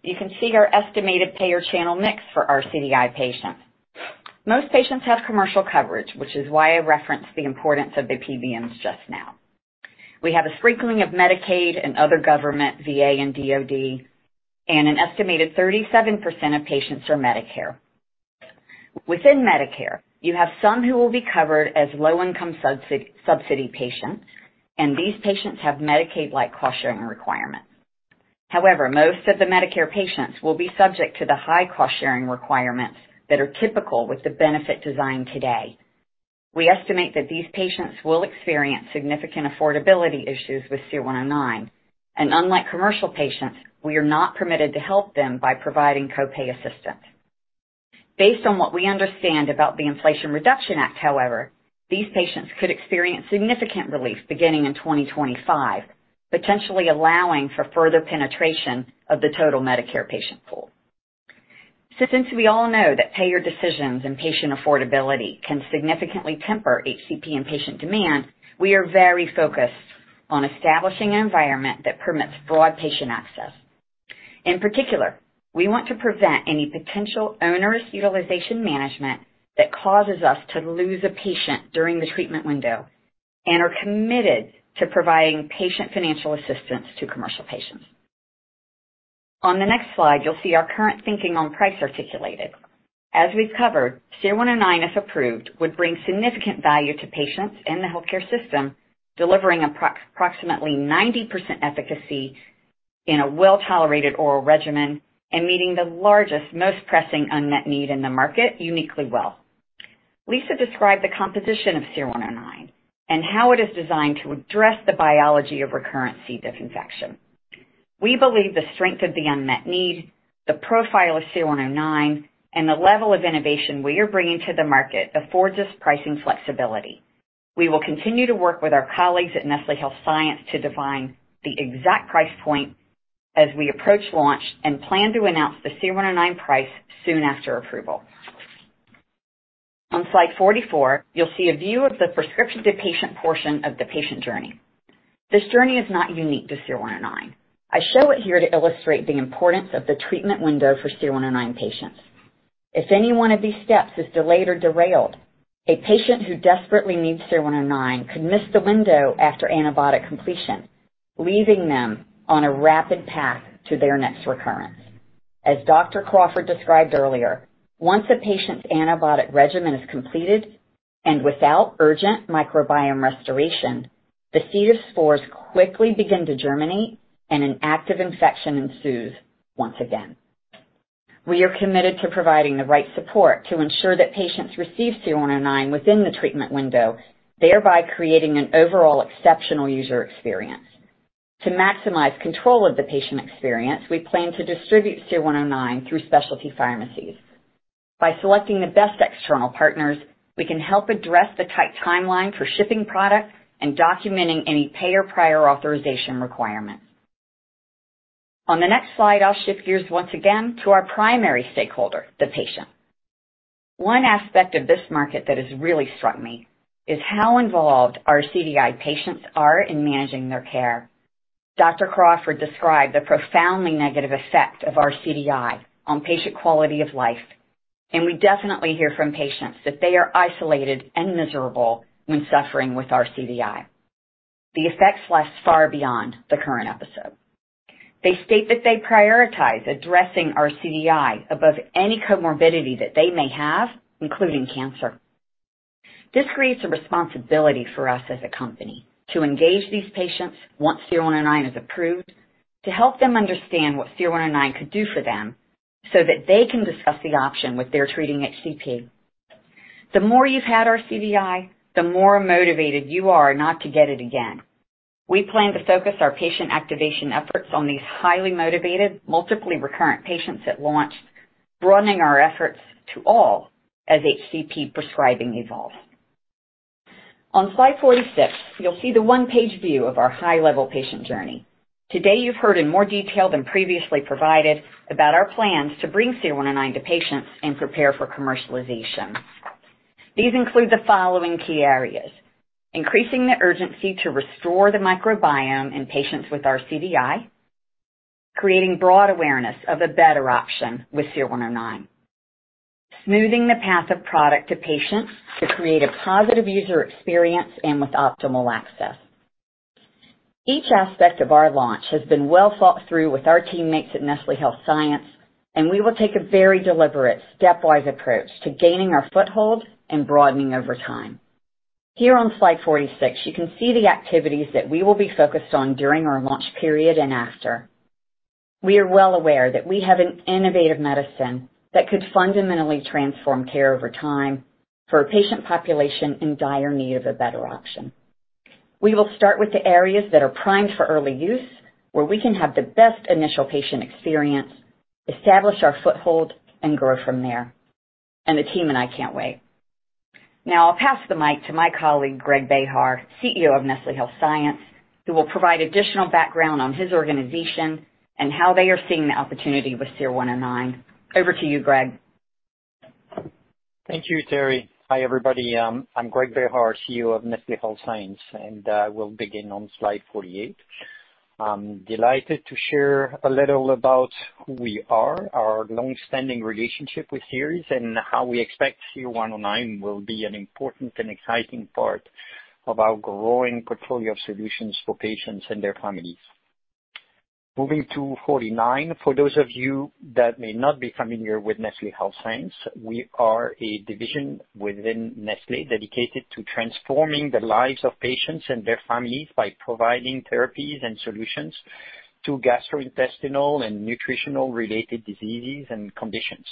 you can see our estimated payer channel mix for our CDI patients. Most patients have commercial coverage, which is why I referenced the importance of the PBMs just now. We have a sprinkling of Medicaid and other government, VA and DOD, and an estimated 37% of patients are Medicare. Within Medicare, you have some who will be covered as low-income subsidy patients. These patients have Medicaid-like cost-sharing requirements. Most of the Medicare patients will be subject to the high cost-sharing requirements that are typical with the benefit design today. We estimate that these patients will experience significant affordability issues with SER-109. Unlike commercial patients, we are not permitted to help them by providing co-pay assistance. Based on what we understand about the Inflation Reduction Act, however, these patients could experience significant relief beginning in 2025, potentially allowing for further penetration of the total Medicare patient pool. Since we all know that payer decisions and patient affordability can significantly temper HCP and patient demand, we are very focused on establishing an environment that permits broad patient access. In particular, we want to prevent any potential onerous utilization management that causes us to lose a patient during the treatment window and are committed to providing patient financial assistance to commercial patients. On the next slide, you'll see our current thinking on price articulated. As we've covered, SER-109, if approved, would bring significant value to patients in the healthcare system, delivering approximately 90% efficacy in a well-tolerated oral regimen and meeting the largest, most pressing unmet need in the market uniquely well. Lisa described the composition of SER-109 and how it is designed to address the biology of recurrent C. diff infection. We believe the strength of the unmet need, the profile of SER-109, and the level of innovation we are bringing to the market affords us pricing flexibility. We will continue to work with our colleagues at Nestlé Health Science to define the exact price point as we approach launch and plan to announce the SER-109 price soon after approval. On slide 44, you'll see a view of the prescription to patient portion of the patient journey. This journey is not unique to SER-109. I show it here to illustrate the importance of the treatment window for SER-109 patients. If any one of these steps is delayed or derailed, a patient who desperately needs SER-109 could miss the window after antibiotic completion, leaving them on a rapid path to their next recurrence. As Dr. Crawford described earlier, once a patient's antibiotic regimen is completed and without urgent microbiome restoration, the C. diff spores quickly begin to germinate and an active infection ensues once again. We are committed to providing the right support to ensure that patients receive SER-109 within the treatment window, thereby creating an overall exceptional user experience. To maximize control of the patient experience, we plan to distribute SER-109 through specialty pharmacies. By selecting the best external partners, we can help address the tight timeline for shipping product and documenting any payer prior authorization requirements. On the next slide, I'll shift gears once again to our primary stakeholder, the patient. One aspect of this market that has really struck me is how involved our CDI patients are in managing their care. Dr. Crawford described the profoundly negative effect of our CDI on patient quality of life. We definitely hear from patients that they are isolated and miserable when suffering with our CDI. The effects last far beyond the current episode. They state that they prioritize addressing our CDI above any comorbidity that they may have, including cancer. This creates a responsibility for us as a company to engage these patients once SER-109 is approved to help them understand what SER-109 could do for them so that they can discuss the option with their treating HCP. The more you've had our CDI, the more motivated you are not to get it again. We plan to focus our patient activation efforts on these highly motivated, multiply recurrent patients at launch, broadening our efforts to all as HCPs prescribing evolves. On slide 46, you'll see the 1-page view of our high-level patient journey. Today, you've heard in more detail than previously provided about our plans to bring SER-109 to patients and prepare for commercialization. These include the following key areas: increasing the urgency to restore the microbiome in patients with rCDI, creating broad awareness of a better option with SER-109, smoothing the path of product to patients to create a positive user experience and with optimal access. Each aspect of our launch has been well thought through with our teammates at Nestlé Health Science, and we will take a very deliberate stepwise approach to gaining our foothold and broadening over time. Here on slide 46, you can see the activities that we will be focused on during our launch period and after. We are well aware that we have an innovative medicine that could fundamentally transform care over time for a patient population in dire need of a better option. We will start with the areas that are primed for early use, where we can have the best initial patient experience, establish our foothold, and grow from there. The team and I can't wait. Now I'll pass the mic to my colleague, Greg Behar, CEO of Nestlé Health Science, who will provide additional background on his organization and how they are seeing the opportunity with SER-109. Over to you, Greg. Thank you, Terri. Hi, everybody. I'm Greg Behar, CEO of Nestlé Health Science, and we'll begin on slide 48. I'm delighted to share a little about who we are, our long-standing relationship with Seres, and how we expect SER-109 will be an important and exciting part of our growing portfolio of solutions for patients and their families. Moving to 49, for those of you that may not be familiar with Nestlé Health Science, we are a division within Nestlé dedicated to transforming the lives of patients and their families by providing therapies and solutions to gastrointestinal and nutritional-related diseases and conditions.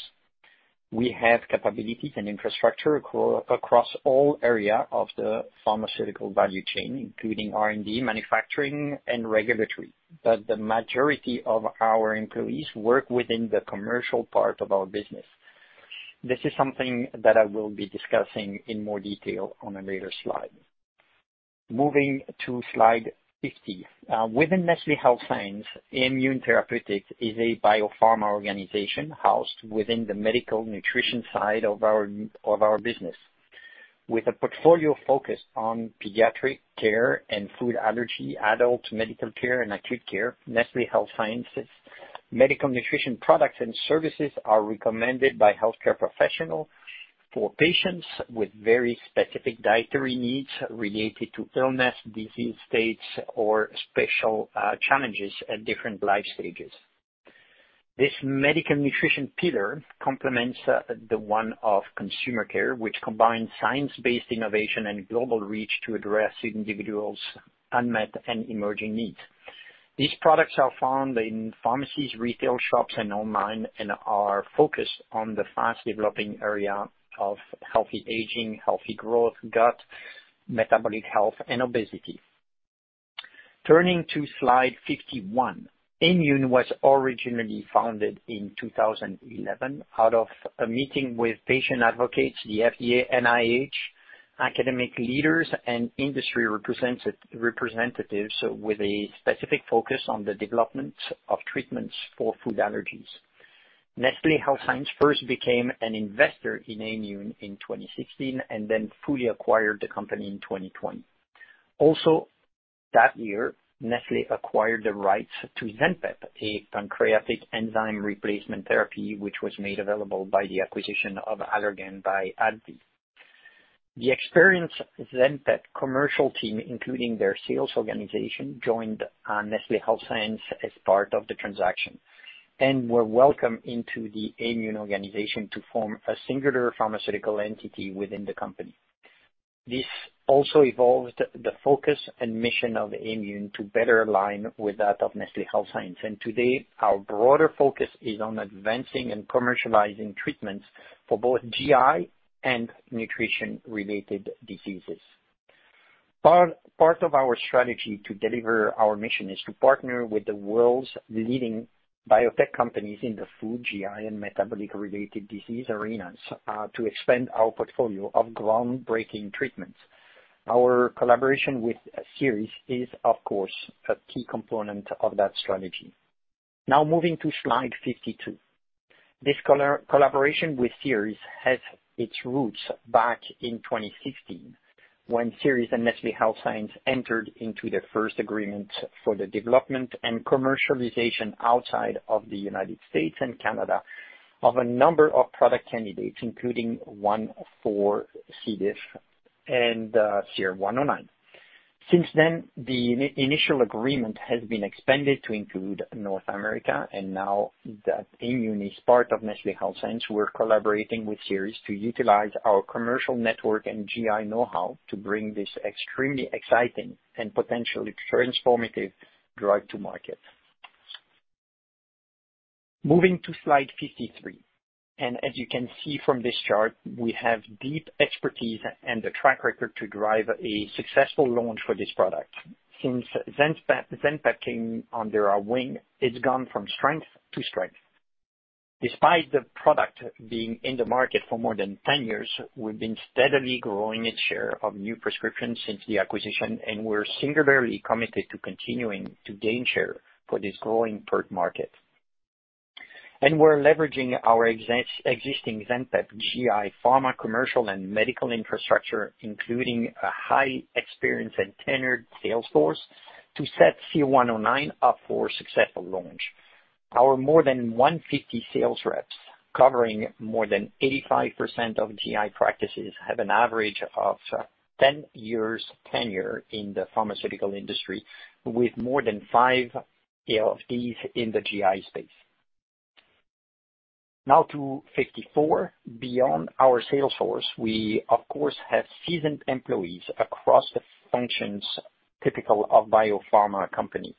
We have capabilities and infrastructure across all area of the pharmaceutical value chain, including R&D, manufacturing and regulatory. The majority of our employees work within the commercial part of our business. This is something that I will be discussing in more detail on a later slide. Moving to slide 50. Within Nestlé Health Science, Aimmune Therapeutics is a biopharma organization housed within the medical nutrition side of our, of our business. With a portfolio focused on pediatric care and food allergy, adult medical care, and acute care, Nestlé Health Sciences medical nutrition products and services are recommended by healthcare professional for patients with very specific dietary needs related to illness, disease states, or special challenges at different life stages. This medical nutrition pillar complements the one of consumer care, which combines science-based innovation and global reach to address individuals' unmet and emerging needs. These products are found in pharmacies, retail shops, and online, and are focused on the fast-developing area of healthy aging, healthy growth, gut, metabolic health, and obesity. Turning to slide 51. Aimmune was originally founded in 2011 out of a meeting with patient advocates, the FDA, NIH, academic leaders, and industry representatives with a specific focus on the development of treatments for food allergies. Nestlé Health Science first became an investor in Aimmune in 2016, then fully acquired the company in 2020. Also that year, Nestlé acquired the rights to ZENPEP, a pancreatic enzyme replacement therapy, which was made available by the acquisition of Allergan by AbbVie. The experienced ZENPEP commercial team, including their sales organization, joined Nestlé Health Science as part of the transaction and were welcomed into the Aimmune organization to form a singular pharmaceutical entity within the company. This also evolved the focus and mission of Aimmune to better align with that of Nestlé Health Science. Today, our broader focus is on advancing and commercializing treatments for both GI and nutrition-related diseases. part of our strategy to deliver our mission is to partner with the world's leading biotech companies in the food, GI, and metabolic-related disease arenas to expand our portfolio of groundbreaking treatments. Our collaboration with Seres is, of course, a key component of that strategy. Moving to slide 52. This collaboration with Seres has its roots back in 2015 when Seres and Nestlé Health Science entered into their first agreement for the development and commercialization outside of the United States and Canada of a number of product candidates, including one for C. diff and SER-109. Since then, the initial agreement has been expanded to include North America, and now that Aimmune is part of Nestlé Health Science, we're collaborating with Seres to utilize our commercial network and GI know-how to bring this extremely exciting and potentially transformative drug to market. Moving to slide 53. As you can see from this chart, we have deep expertise and a track record to drive a successful launch for this product. Since ZENPEP came under our wing, it's gone from strength to strength. Despite the product being in the market for more than 10 years, we've been steadily growing its share of new prescriptions since the acquisition. We're singularly committed to continuing to gain share for this growing PERT market. We're leveraging our existing ZENPEP GI pharma, commercial, and medical infrastructure, including a high experience and tenured sales force, to set SER-109 up for successful launch. Our more than 150 sales reps, covering more than 85% of GI practices, have an average of 10 years tenure in the pharmaceutical industry, with more than 5 of these in the GI space. Now to 54. Beyond our sales force, we of course, have seasoned employees across the functions typical of biopharma companies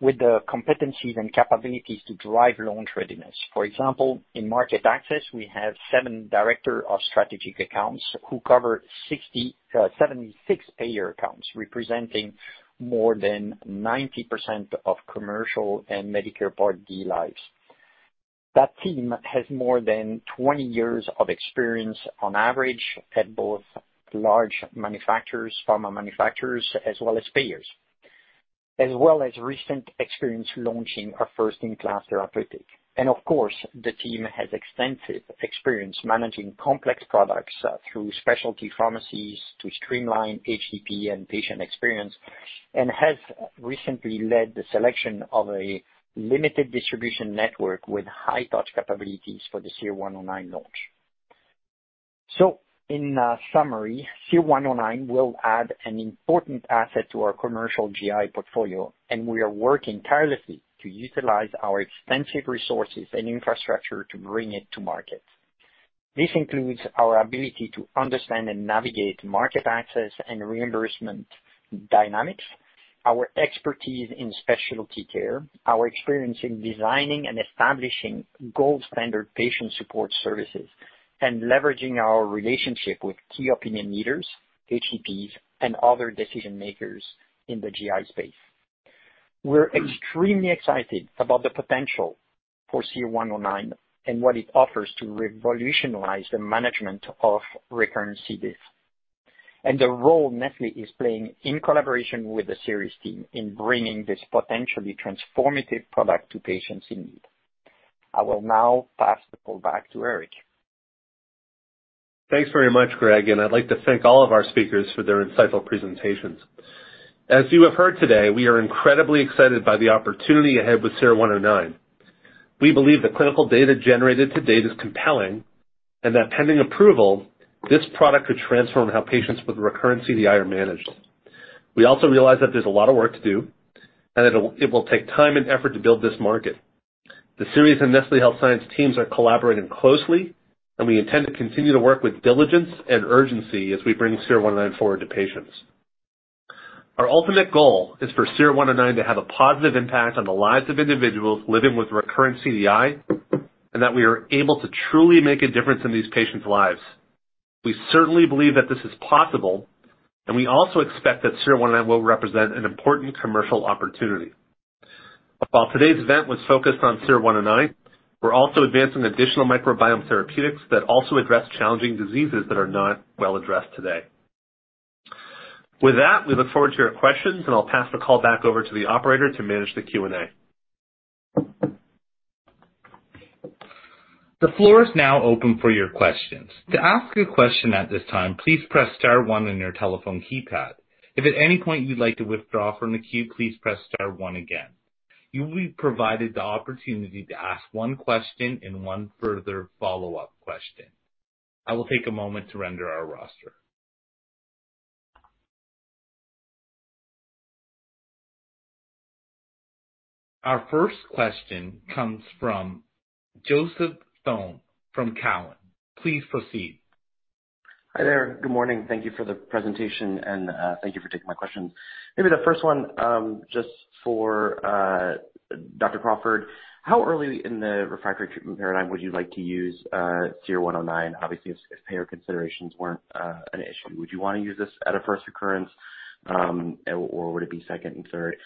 with the competencies and capabilities to drive launch readiness. For example, in market access, we have seven director of strategic accounts who cover 60, 76 payer accounts, representing more than 90% of commercial and Medicare Part D lives. That team has more than 20 years of experience on average at both large manufacturers, pharma manufacturers, as well as payers, as well as recent experience launching a first-in-class therapeutic. Of course, the team has extensive experience managing complex products through specialty pharmacies to streamline HCP and patient experience and has recently led the selection of a limited distribution network with high touch capabilities for the SER-109 launch. In summary, SER-109 will add an important asset to our commercial GI portfolio, and we are working tirelessly to utilize our extensive resources and infrastructure to bring it to market. This includes our ability to understand and navigate market access and reimbursement dynamics, our expertise in specialty care, our experience in designing and establishing gold standard patient support services, and leveraging our relationship with key opinion leaders, HCPs, and other decision-makers in the GI space. We're extremely excited about the potential for SER-109 and what it offers to revolutionize the management of recurrent C. diff. The role Nestlé is playing in collaboration with the Seres team in bringing this potentially transformative product to patients in need. I will now pass the call back to Eric. Thanks very much, Greg. I'd like to thank all of our speakers for their insightful presentations. As you have heard today, we are incredibly excited by the opportunity ahead with SER-109. We believe the clinical data generated to date is compelling and that pending approval, this product could transform how patients with recurrent CDI are managed. We also realize that there's a lot of work to do and it will take time and effort to build this market. The Seres and Nestlé Health Science teams are collaborating closely. We intend to continue to work with diligence and urgency as we bring SER-109 forward to patients. Our ultimate goal is for SER-109 to have a positive impact on the lives of individuals living with recurrent CDI, and that we are able to truly make a difference in these patients' lives. We certainly believe that this is possible, and we also expect that SER-109 will represent an important commercial opportunity. While today's event was focused on SER-109, we're also advancing additional microbiome therapeutics that also address challenging diseases that are not well addressed today. With that, we look forward to your questions, and I'll pass the call back over to the operator to manage the Q&A. The floor is now open for your questions. To ask a question at this time, please press star 1 on your telephone keypad. If at any point you'd like to withdraw from the queue, please press star 1 again. You will be provided the opportunity to ask 1 question and 1 further follow-up question. I will take a moment to render our roster. Our first question comes from Joseph Thome from Cowen. Please proceed. Hi there. Good morning. Thank you for the presentation, thank you for taking my questions. Maybe the first one, just for Dr. Crawford. How early in the refractory treatment paradigm would you like to use SER-109? Obviously, if payer considerations weren't an issue, would you wanna use this at a first recurrence, or would it be second and third?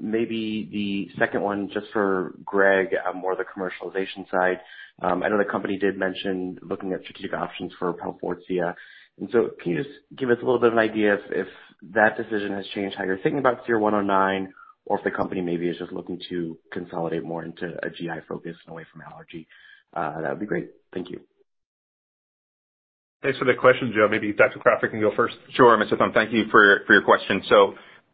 Maybe the second one just for Greg, more the commercialization side. I know the company did mention looking at strategic options for Palforzia, can you just give us a little bit of an idea if that decision has changed how you're thinking about SER-109, or if the company maybe is just looking to consolidate more into a GI focus and away from allergy? That would be great. Thank you. Thanks for the question, Thome. Maybe Dr. Crawford can go first. Sure, Mr. Thome, thank you for your question.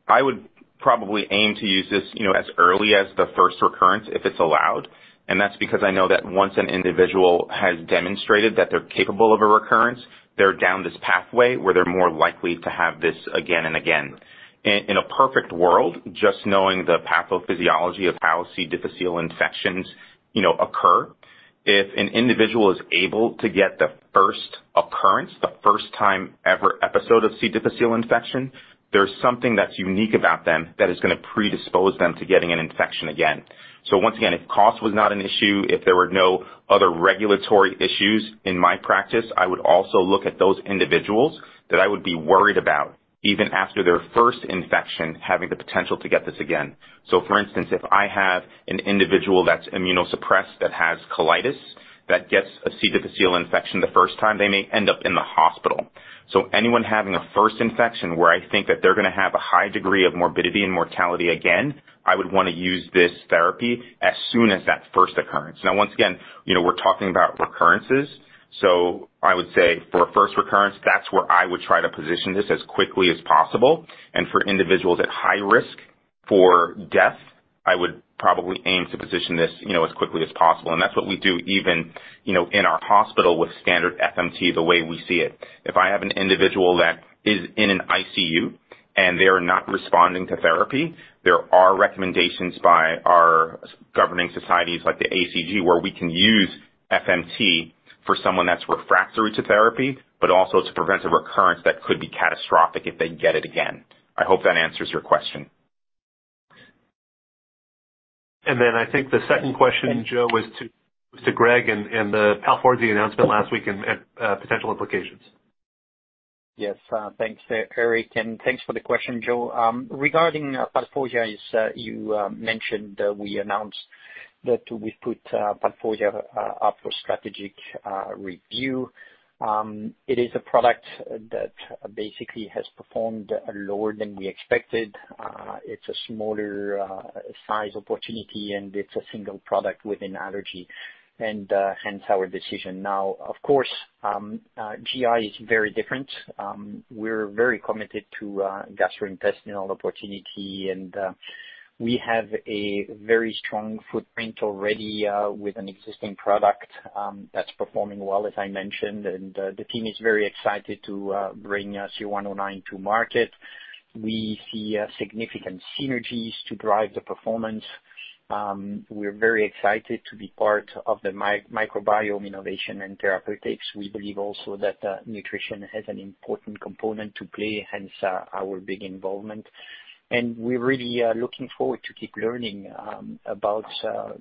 I would probably aim to use this, you know, as early as the first recurrence if it's allowed. That's because I know that once an individual has demonstrated that they're capable of a recurrence, they're down this pathway where they're more likely to have this again and again. In a perfect world, just knowing the pathophysiology of how C. difficile infections, you know, occur, if an individual is able to get the first occurrence, the first time ever episode of C. difficile infection, there's something that's unique about them that is gonna predispose them to getting an infection again. Once again, if cost was not an issue, if there were no other regulatory issues in my practice, I would also look at those individuals that I would be worried about even after their first infection having the potential to get this again. For instance, if I have an individual that's immunosuppressed that has colitis. That gets a C. difficile infection the first time, they may end up in the hospital. Anyone having a first infection where I think that they're gonna have a high degree of morbidity and mortality again, I would wanna use this therapy as soon as that first occurrence. Now, once again, you know, we're talking about recurrences. I would say for a first recurrence, that's where I would try to position this as quickly as possible. For individuals at high risk for death, I would probably aim to position this, you know, as quickly as possible. That's what we do even, you know, in our hospital with standard FMT, the way we see it. If I have an individual that is in an ICU and they are not responding to therapy, there are recommendations by our governing societies like the ACG, where we can use FMT for someone that's refractory to therapy, but also to prevent a recurrence that could be catastrophic if they get it again. I hope that answers your question. I think the second question, Joe, was to Greg and the Palforzia announcement last week and potential implications. Yes. Thanks, Eric Shaff, and thanks for the question, Joe. Regarding Palforzia, as you mentioned, we announced that we've put Palforzia up for strategic review. It is a product that basically has performed lower than we expected. It's a smaller size opportunity, and it's a single product within allergy and hence our decision. Now, of course, GI is very different. We're very committed to gastrointestinal opportunity, and we have a very strong footprint already with an existing product that's performing well, as I mentioned. The team is very excited to bring SER-109 to market. We see significant synergies to drive the performance. We're very excited to be part of the microbiome innovation and therapeutics. We believe also that nutrition has an important component to play, hence our big involvement. We really are looking forward to keep learning about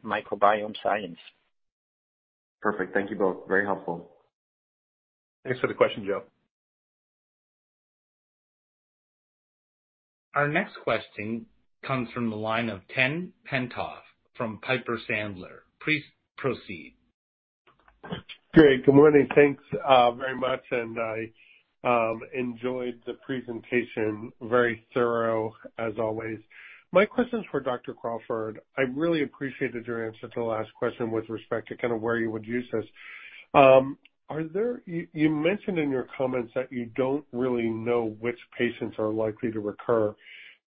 microbiome science. Perfect. Thank you both. Very helpful. Thanks for the question, Joe. Our next question comes from the line of Ted Tenthoff from Piper Sandler. Please proceed. Great. Good morning. Thanks very much. I enjoyed the presentation. Very thorough, as always. My question's for Dr. Crawford. I really appreciated your answer to the last question with respect to kinda where you would use this. You mentioned in your comments that you don't really know which patients are likely to recur.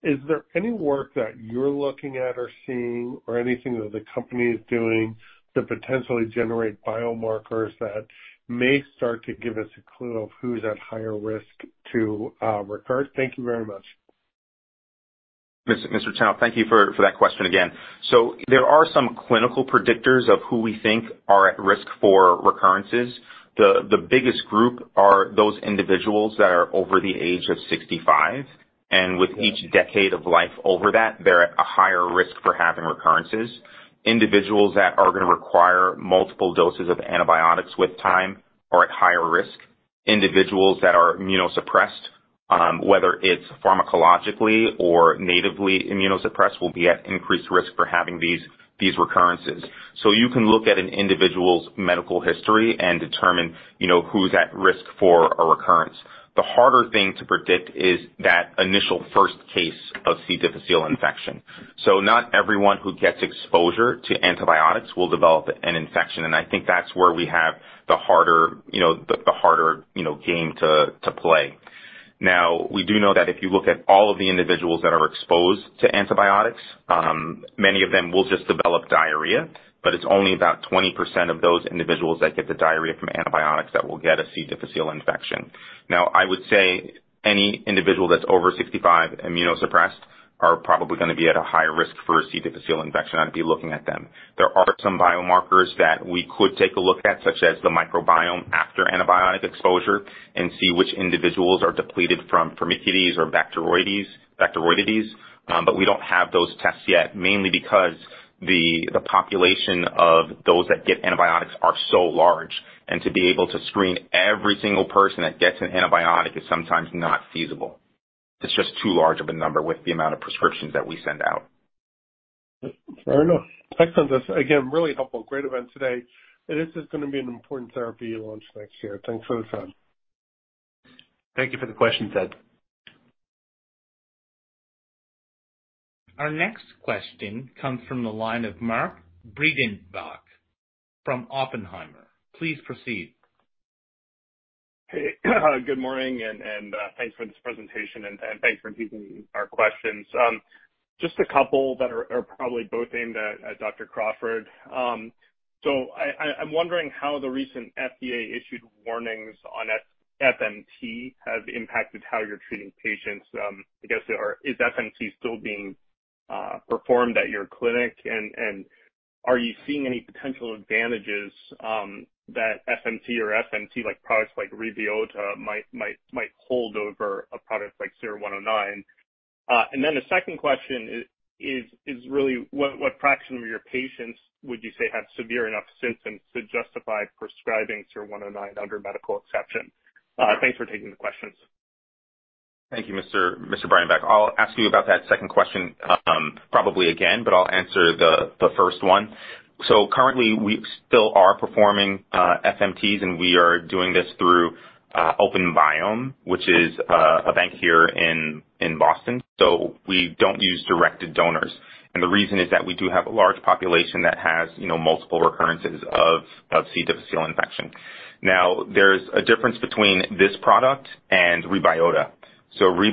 Is there any work that you're looking at or seeing or anything that the company is doing to potentially generate biomarkers that may start to give us a clue of who's at higher risk to recur? Thank you very much. Mr. Tenthoff, thank you for that question again. There are some clinical predictors of who we think are at risk for recurrences. The biggest group are those individuals that are over the age of 65, and with each decade of life over that, they're at a higher risk for having recurrences. Individuals that are gonna require multiple doses of antibiotics with time are at higher risk. Individuals that are immunosuppressed, whether it's pharmacologically or natively immunosuppressed, will be at increased risk for having these recurrences. You can look at an individual's medical history and determine, you know, who's at risk for a recurrence. The harder thing to predict is that initial first case of C. difficile infection. Not everyone who gets exposure to antibiotics will develop an infection, and I think that's where we have the harder, you know, the harder, you know, game to play. We do know that if you look at all of the individuals that are exposed to antibiotics, many of them will just develop diarrhea, but it's only about 20% of those individuals that get the diarrhea from antibiotics that will get a C. difficile infection. I would say any individual that's over 65 immunosuppressed are probably gonna be at a higher risk for a C. difficile infection. I'd be looking at them. There are some biomarkers that we could take a look at, such as the microbiome after antibiotic exposure and see which individuals are depleted from Firmicutes or Bacteroidetes, but we don't have those tests yet, mainly because the population of those that get antibiotics are so large. To be able to screen every single person that gets an antibiotic is sometimes not feasible. It's just too large of a number with the amount of prescriptions that we send out. Fair enough. Excellent. This, again, really helpful. Great event today. This is gonna be an important therapy launch next year. Thanks for the time. Thank you for the question, Ted. Our next question comes from the line of Mark Breidenbach from Oppenheimer. Please proceed. Hey. Good morning, and thanks for this presentation and thanks for taking our questions. Just a couple that are probably both aimed at Dr. Crawford. I'm wondering how the recent FDA-issued warnings on FMT have impacted how you're treating patients. I guess, or is FMT still being performed at your clinic? Are you seeing any potential advantages that FMT or FMT-like products like REBYOTA might hold over a product like SER-109? The second question is really what fraction of your patients would you say have severe enough symptoms to justify prescribing SER-109 under medical exception? Thanks for taking the questions. Thank you, Mr. Breidenbach. I'll ask you about that second question, probably again, I'll answer the first one. Currently, we still are performing FMTs, and we are doing this through OpenBiome, which is a bank here in Boston. We don't use directed donors. The reason is that we do have a large population that has, you know, multiple recurrences of C. difficile infection. Now, there's a difference between this product and REBYOTA.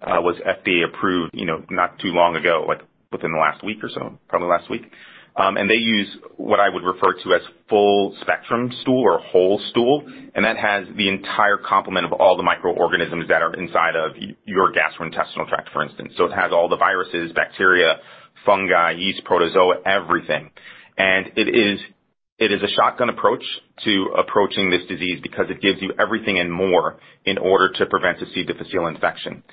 REBYOTA was FDA approved, you know, not too long ago, like within the last week or so, probably last week. They use what I would refer to as full-spectrum stool or whole stool, and that has the entire complement of all the microorganisms that are inside of your gastrointestinal tract, for instance. It has all the viruses, bacteria, fungi, yeast, protozoa, everything. It is a shotgun approach to approaching this disease because it gives you everything and more in order to prevent a C. difficile infection.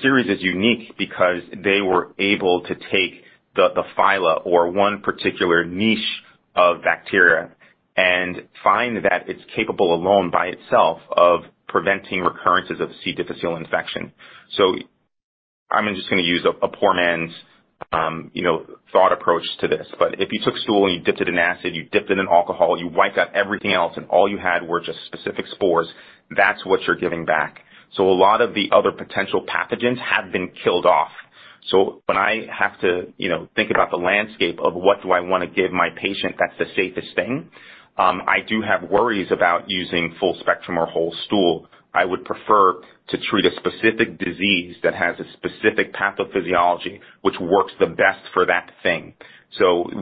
Seres is unique because they were able to take the phyla or one particular niche of bacteria and find that it's capable alone by itself of preventing recurrences of C. difficile infection. I'm just gonna use a poor man's, you know, thought approach to this. If you took stool and you dipped it in acid, you dipped it in alcohol, you wiped out everything else, and all you had were just specific spores, that's what you're giving back. A lot of the other potential pathogens have been killed off. When I have to, you know, think about the landscape of what do I wanna give my patient that's the safest thing, I do have worries about using full spectrum or whole stool. I would prefer to treat a specific disease that has a specific pathophysiology which works the best for that thing.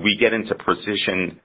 We get into precision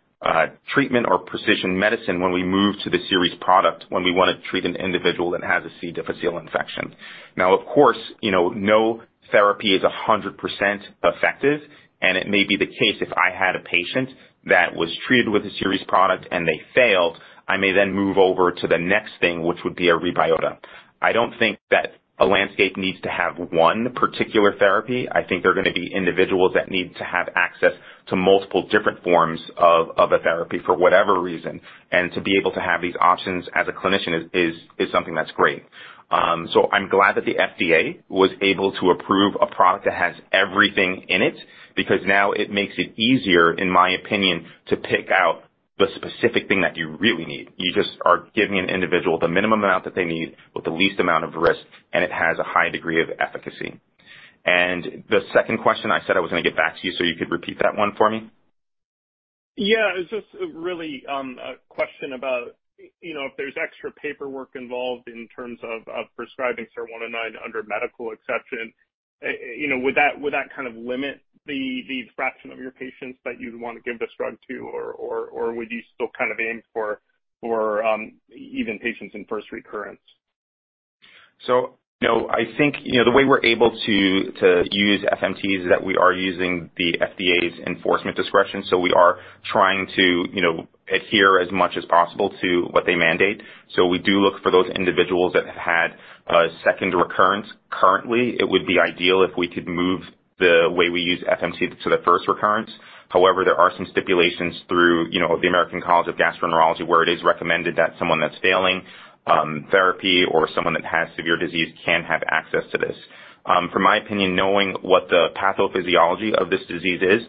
treatment or precision medicine when we move to the Seres product, when we wanna treat an individual that has a C. difficile infection. Now, of course, you know, no therapy is 100% effective, and it may be the case if I had a patient that was treated with a Seres product and they failed, I may then move over to the next thing, which would be a REBYOTA. I don't think that a landscape needs to have one particular therapy. I think there are gonna be individuals that need to have access to multiple different forms of a therapy for whatever reason. To be able to have these options as a clinician is something that's great. I'm glad that the FDA was able to approve a product that has everything in it because now it makes it easier, in my opinion, to pick out the specific thing that you really need. You just are giving an individual the minimum amount that they need with the least amount of risk, and it has a high degree of efficacy. The second question I said I was gonna get back to you, so you could repeat that one for me. Yeah. It's just really, a question about, you know, if there's extra paperwork involved in terms of prescribing SER-109 under medical exception. You know, would that kind of limit the fraction of your patients that you'd wanna give this drug to or would you still kind of aim for even patients in first recurrence? No. I think, you know, the way we're able to use FMTs is that we are using the FDA's enforcement discretion, so we are trying to, you know, adhere as much as possible to what they mandate. We do look for those individuals that have had a second recurrence currently. It would be ideal if we could move the way we use FMT to the first recurrence. However, there are some stipulations through, you know, the American College of Gastroenterology, where it is recommended that someone that's failing therapy or someone that has severe disease can have access to this. From my opinion, knowing what the pathophysiology of this disease is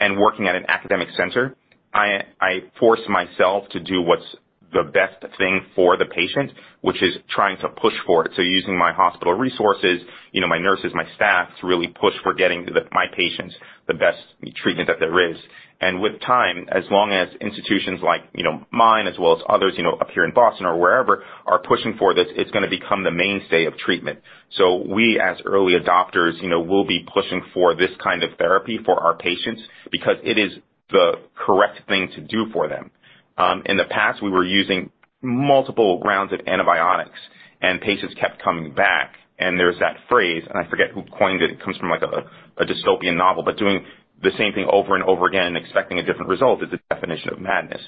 and working at an academic center, I force myself to do what's the best thing for the patient, which is trying to push for it. Using my hospital resources, you know, my nurses, my staff, to really push for getting my patients the best treatment that there is. With time, as long as institutions like, you know, mine as well as others, you know, up here in Boston or wherever are pushing for this, it's gonna become the mainstay of treatment. We as early adopters, you know, will be pushing for this kind of therapy for our patients because it is the correct thing to do for them. In the past, we were using multiple rounds of antibiotics and patients kept coming back. There's that phrase, and I forget who coined it. It comes from like a dystopian novel, but doing the same thing over and over again and expecting a different result is the definition of madness.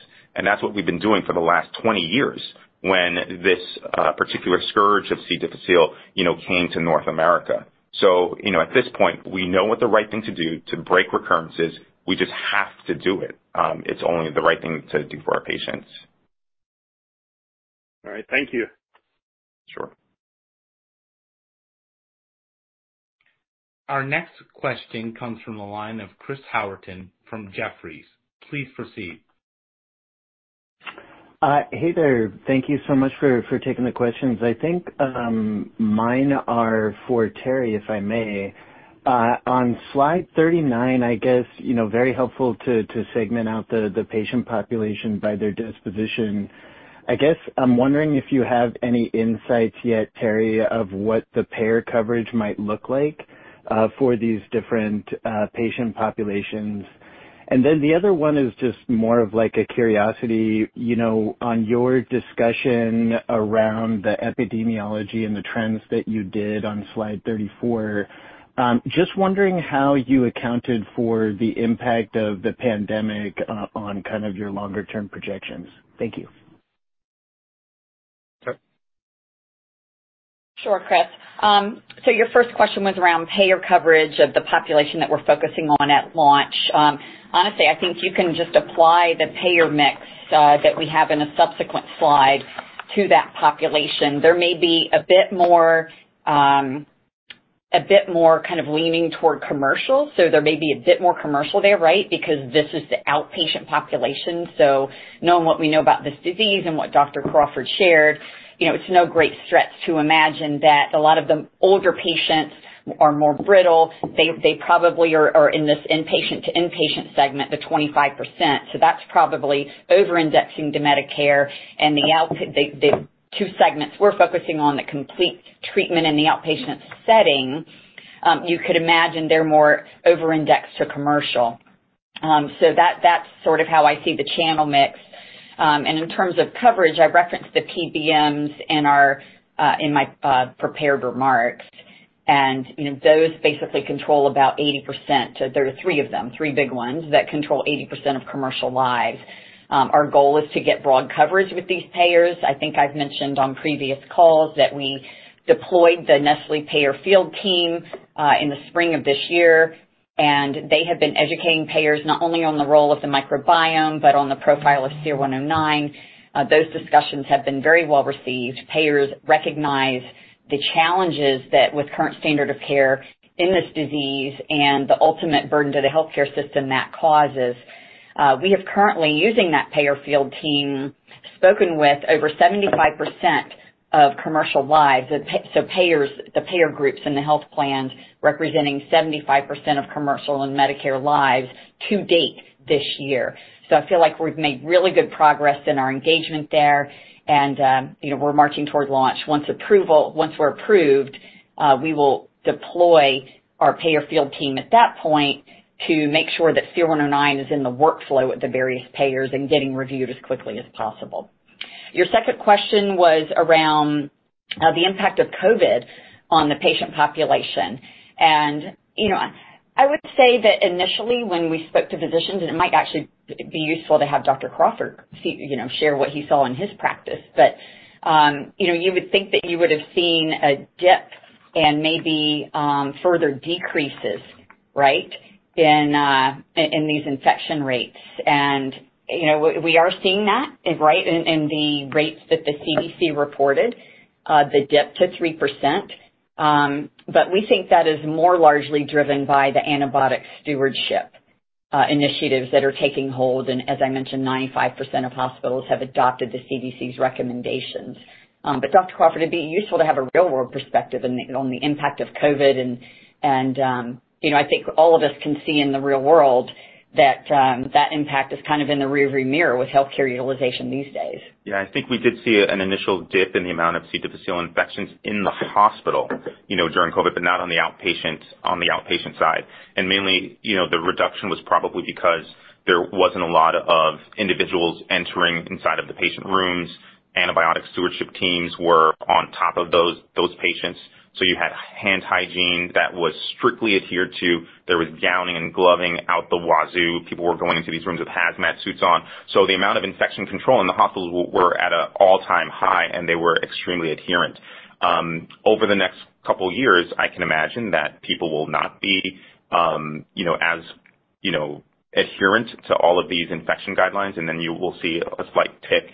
That's what we've been doing for the last 20 years when this particular scourge of C. difficile, you know, came to North America. You know, at this point, we know what the right thing to do to break recurrences. We just have to do it. It's only the right thing to do for our patients. All right. Thank you. Sure. Our next question comes from the line of Chris Howerton from Jefferies. Please proceed. Hey there. Thank you so much for taking the questions. I think, mine are for Terri, if I may. On slide 39, I guess, you know, very helpful to segment out the patient population by their disposition. I guess I'm wondering if you have any insights yet, Terri, of what the payer coverage might look like for these different patient populations. The other one is just more of like a curiosity, you know, on your discussion around the epidemiology and the trends that you did on slide 34. Just wondering how you accounted for the impact of the pandemic on kind of your longer term projections. Thank you. Sure. Sure, Chris. Your first question was around payer coverage of the population that we're focusing on at launch. Honestly, I think you can just apply the payer mix that we have in a subsequent slide to that population. There may be a bit more kind of leaning toward commercial. There may be a bit more commercial there, right, because this is the outpatient population. Knowing what we know about this disease and what Dr. Crawford shared, you know, it's no great stretch to imagine that a lot of the older patients are more brittle. They probably are in this inpatient to inpatient segment, the 25%. That's probably over-indexing to Medicare and the two segments we're focusing on, the complete treatment in the outpatient setting, you could imagine they're more over-indexed to commercial. That, that's sort of how I see the channel mix. In terms of coverage, I referenced the PBMs in our, in my prepared remarks. You know, those basically control about 80%. There are three of them, three big ones that control 80% of commercial lives. Our goal is to get broad coverage with these payers. I think I've mentioned on previous calls that we deployed the Nestlé payer field team, in the spring of this year, and they have been educating payers not only on the role of the microbiome, but on the profile of SER-109. Those discussions have been very well received. Payers recognize the challenges that with current standard of care in this disease and the ultimate burden to the healthcare system that causes. We have currently, using that payer field team, spoken with over 75% of commercial lives. Payers, the payer groups and the health plans representing 75% of commercial and Medicare lives to date this year. I feel like we've made really good progress in our engagement there. You know, we're marching toward launch. Once we're approved, we will deploy our payer field team at that point to make sure that SER-109 is in the workflow with the various payers and getting reviewed as quickly as possible. Your second question was around the impact of COVID on the patient population. You know, I would say that initially when we spoke to physicians, and it might actually be useful to have Dr. Crawford see, you know, share what he saw in his practice, but, you know, you would think that you would have seen a dip and maybe further decreases, right, in these infection rates. We, you know, we are seeing that, right, in the rates that the CDC reported, the dip to 3%. We think that is more largely driven by the antibiotic stewardship initiatives that are taking hold. As I mentioned, 95% of hospitals have adopted the CDC's recommendations. Dr. Crawford, it'd be useful to have a real world perspective on the, on the impact of COVID. You know, I think all of us can see in the real world that impact is kind of in the rearview mirror with healthcare utilization these days. I think we did see an initial dip in the amount of C. difficile infections in the hospital, you know, during COVID, but not on the outpatient, on the outpatient side. Mainly, you know, the reduction was probably because there wasn't a lot of individuals entering inside of the patient rooms. Antibiotic stewardship teams were on top of those patients. You had hand hygiene that was strictly adhered to. There was gowning and gloving out the wazoo. People were going into these rooms with hazmat suits on. The amount of infection control in the hospitals were at a all-time high, and they were extremely adherent. Over the next couple years, I can imagine that people will not be, you know, as, you know, adherent to all of these infection guidelines. Then you will see a slight tick,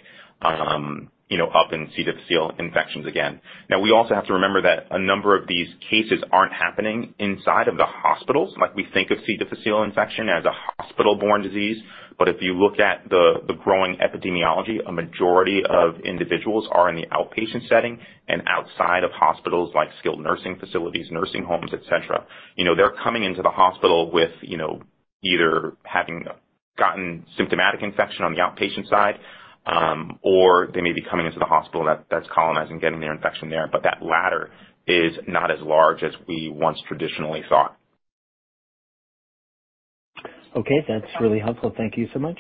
you know, up in C. difficile infections again. We also have to remember that a number of these cases aren't happening inside of the hospitals. Like, we think of C. difficile infection as a hospital-borne disease. If you look at the growing epidemiology, a majority of individuals are in the outpatient setting and outside of hospitals, like skilled nursing facilities, nursing homes, et cetera. They're coming into the hospital with, you know, either having gotten symptomatic infection on the outpatient side, or they may be coming into the hospital that's colonizing, getting their infection there. That latter is not as large as we once traditionally thought. Okay, that's really helpful. Thank you so much.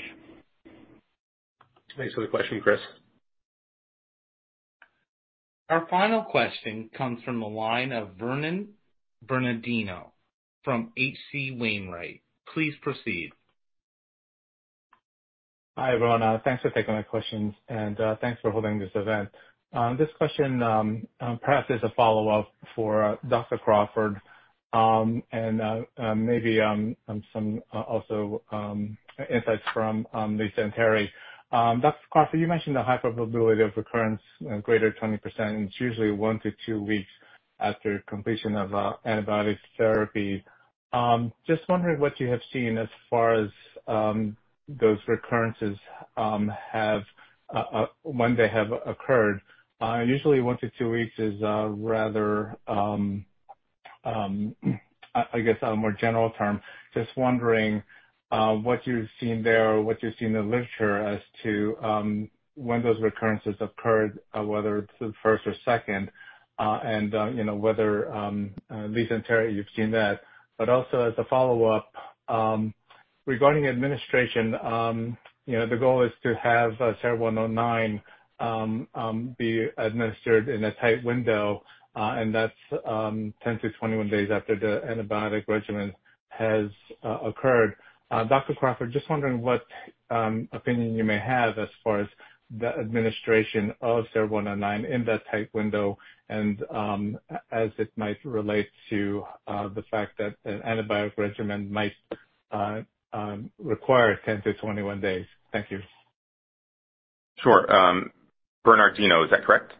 Thanks for the question, Chris. Our final question comes from the line of Vernon Bernardino from H.C. Wainwright. Please proceed. Hi, everyone. Thanks for taking my questions, and thanks for holding this event. This question perhaps is a follow-up for Dr. Crawford, and maybe some also insights from Lisa and Terri. Dr. Crawford, you mentioned the high probability of recurrence, greater than 20%. It's usually 1-2 weeks after completion of antibiotic therapy. Just wondering what you have seen as far as those recurrences when they have occurred. Usually 1-2 weeks is a rather I guess, a more general term. Just wondering what you've seen there or what you've seen in the literature as to when those recurrences occurred, whether it's the first or second, and you know, whether Lisa and Terri, you've seen that. Also as a follow-up, you know, the goal is to have SER-109 be administered in a tight window, and that's 10-21 days after the antibiotic regimen has occurred. Dr. Crawford, just wondering what opinion you may have as far as the administration of SER-109 in that tight window and as it might relate to the fact that an antibiotic regimen might require 10-21 days. Thank you. Sure. Bernardino, is that correct?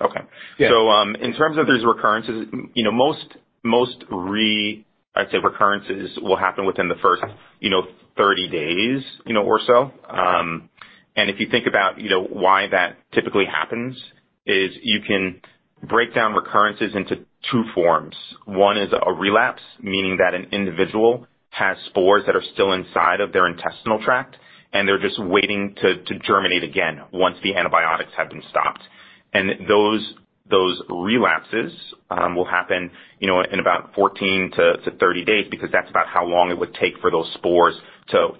Okay. Yeah. In terms of these recurrences, you know, most recurrences will happen within the first, you know, 30 days, you know, or so. If you think about, you know, why that typically happens is you can break down recurrences into two forms. One is a relapse, meaning that an individual has spores that are still inside of their intestinal tract, and they're just waiting to germinate again once the antibiotics have been stopped. Those relapses will happen, you know, in about 14 to 30 days because that's about how long it would take for those spores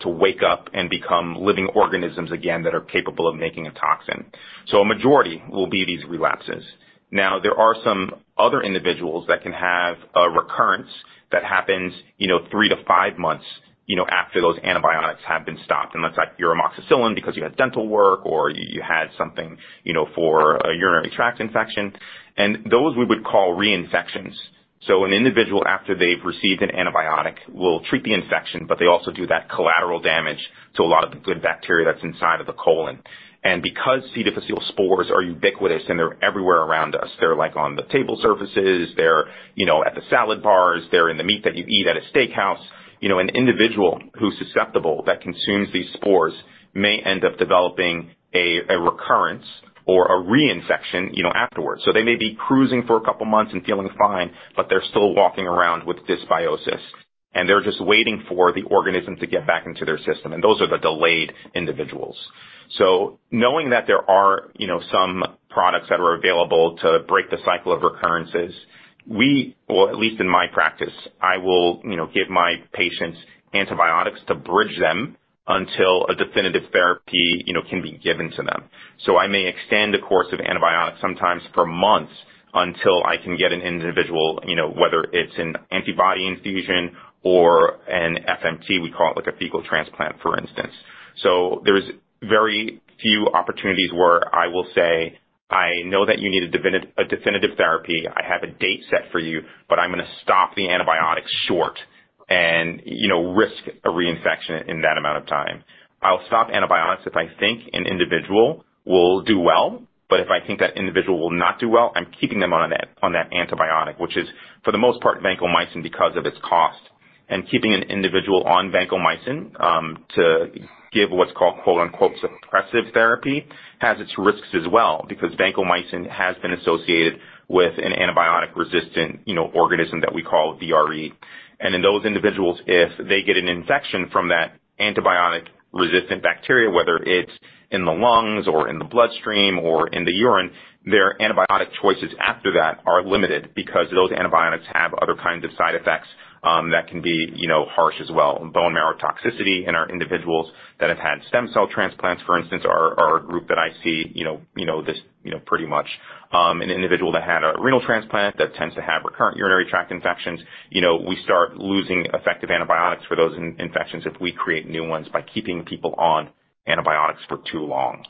to wake up and become living organisms again that are capable of making a toxin. A majority will be these relapses. There are some other individuals that can have a recurrence that happens, you know, 3 to 5 months, you know, after those antibiotics have been stopped, unless like amoxicillin because you had dental work or you had something, you know, for a urinary tract infection, and those we would call reinfections. An individual, after they've received an antibiotic, will treat the infection, but they also do that collateral damage to a lot of the good bacteria that's inside of the colon. Because C. difficile spores are ubiquitous and they're everywhere around us, they're like on the table surfaces, they're, you know, at the salad bars, they're in the meat that you eat at a steakhouse. You know, an individual who's susceptible that consumes these spores may end up developing a recurrence or a reinfection, you know, afterwards. They may be cruising for a couple months and feeling fine, but they're still walking around with dysbiosis, and they're just waiting for the organism to get back into their system, and those are the delayed individuals. Knowing that there are, you know, some products that are available to break the cycle of recurrences, we or at least in my practice, I will, you know, give my patients antibiotics to bridge them until a definitive therapy, you know, can be given to them. I may extend the course of antibiotics sometimes for months until I can get an individual, you know, whether it's an antibody infusion or an FMT, we call it, like a fecal transplant, for instance. There's very few opportunities where I will say, "I know that you need a definitive therapy. I have a date set for you, but I'm gonna stop the antibiotics short and, you know, risk a reinfection in that amount of time. I'll stop antibiotics if I think an individual will do well, but if I think that individual will not do well, I'm keeping them on that antibiotic, which is for the most part vancomycin because of its cost. Keeping an individual on vancomycin to give what's called quote, unquote, "suppressive therapy" has its risks as well because vancomycin has been associated with an antibiotic-resistant, you know, organism that we call VRE. In those individuals, if they get an infection from that antibiotic-resistant bacteria, whether it's in the lungs or in the bloodstream or in the urine, their antibiotic choices after that are limited because those antibiotics have other kinds of side effects that can be, you know, harsh as well. Bone marrow toxicity in our individuals that have had stem cell transplants, for instance, are a group that I see, you know, this, you know, pretty much. An individual that had a renal transplant that tends to have recurrent urinary tract infections. You know, we start losing effective antibiotics for those infections if we create new ones by keeping people on antibiotics for too long.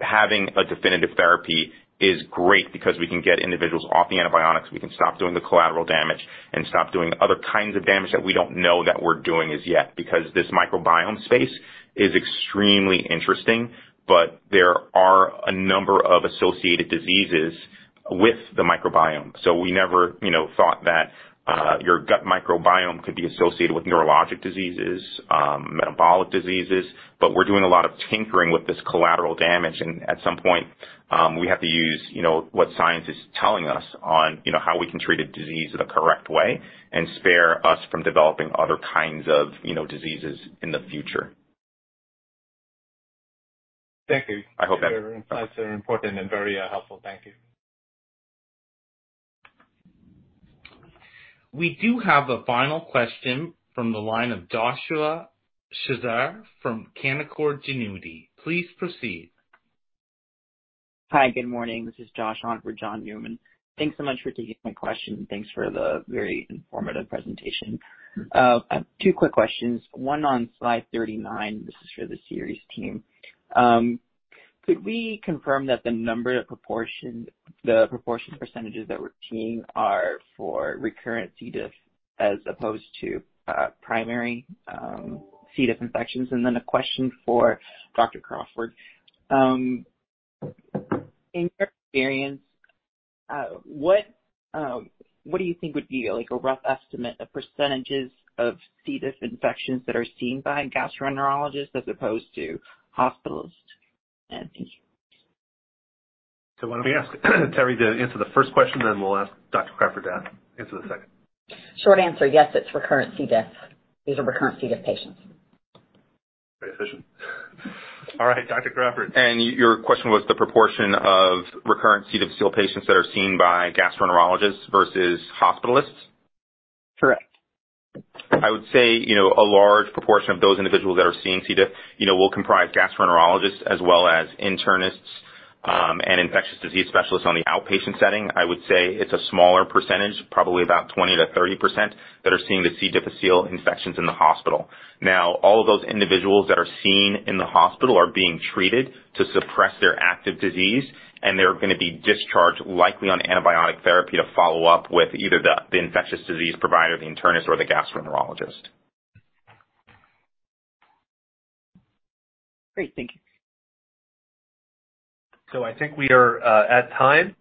Having a definitive therapy is great because we can get individuals off the antibiotics, we can stop doing the collateral damage and stop doing other kinds of damage that we don't know that we're doing as yet because this microbiome space is extremely interesting. There are a number of associated diseases with the microbiome. We never, you know, thought that your gut microbiome could be associated with neurologic diseases, metabolic diseases. We're doing a lot of tinkering with this collateral damage and at some point, we have to use, you know, what science is telling us on, you know, how we can treat a disease the correct way and spare us from developing other kinds of, you know, diseases in the future. Thank you. I hope. Your insights are important and very, helpful. Thank you. We do have a final question from the line of Joshua Chazaro from Canaccord Genuity. Please proceed. Hi, good morning. This is Joshua on for John Newman. Thanks so much for taking my question. Thanks for the very informative presentation. Two quick questions. One on slide 39. This is for the Seres team. Could we confirm that the number of proportion, the proportion percentage that we're seeing are for recurrent C. diff as opposed to primary C. diff infections? Then a question for Dr. Crawford. In your experience, what do you think would be like a rough estimate of percentage of C. diff infections that are seen by gastroenterologists as opposed to hospitalists? Thank you. Why don't we ask Terri to answer the first question, then we'll ask Dr. Crawford to answer the second. Short answer, yes, it's recurrent C. diff. These are recurrent C. diff patients. Very efficient. All right, Dr. Crawford. Your question was the proportion of recurrent C. difficile patients that are seen by gastroenterologists versus hospitalists? Correct. I would say, you know, a large proportion of those individuals that are seeing C. diff, you know, will comprise gastroenterologists as well as internists and infectious disease specialists on the outpatient setting. I would say it's a smaller percentage, probably about 20%-30% that are seeing the C. difficile infections in the hospital. All of those individuals that are seen in the hospital are being treated to suppress their active disease, and they're gonna be discharged likely on antibiotic therapy to follow up with either the infectious disease provider, the internist or the gastroenterologist. Great. Thank you. I think we are at time.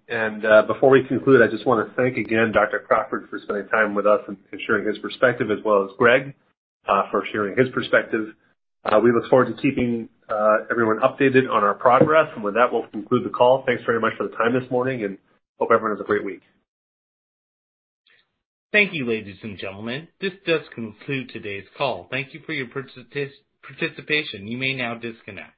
Before we conclude, I just wanna thank again Dr. Crawford for spending time with us and sharing his perspective as well as Greg for sharing his perspective. We look forward to keeping everyone updated on our progress. With that, we'll conclude the call. Thanks very much for the time this morning and hope everyone has a great week. Thank you, ladies and gentlemen. This does conclude today's call. Thank you for your participation. You may now disconnect.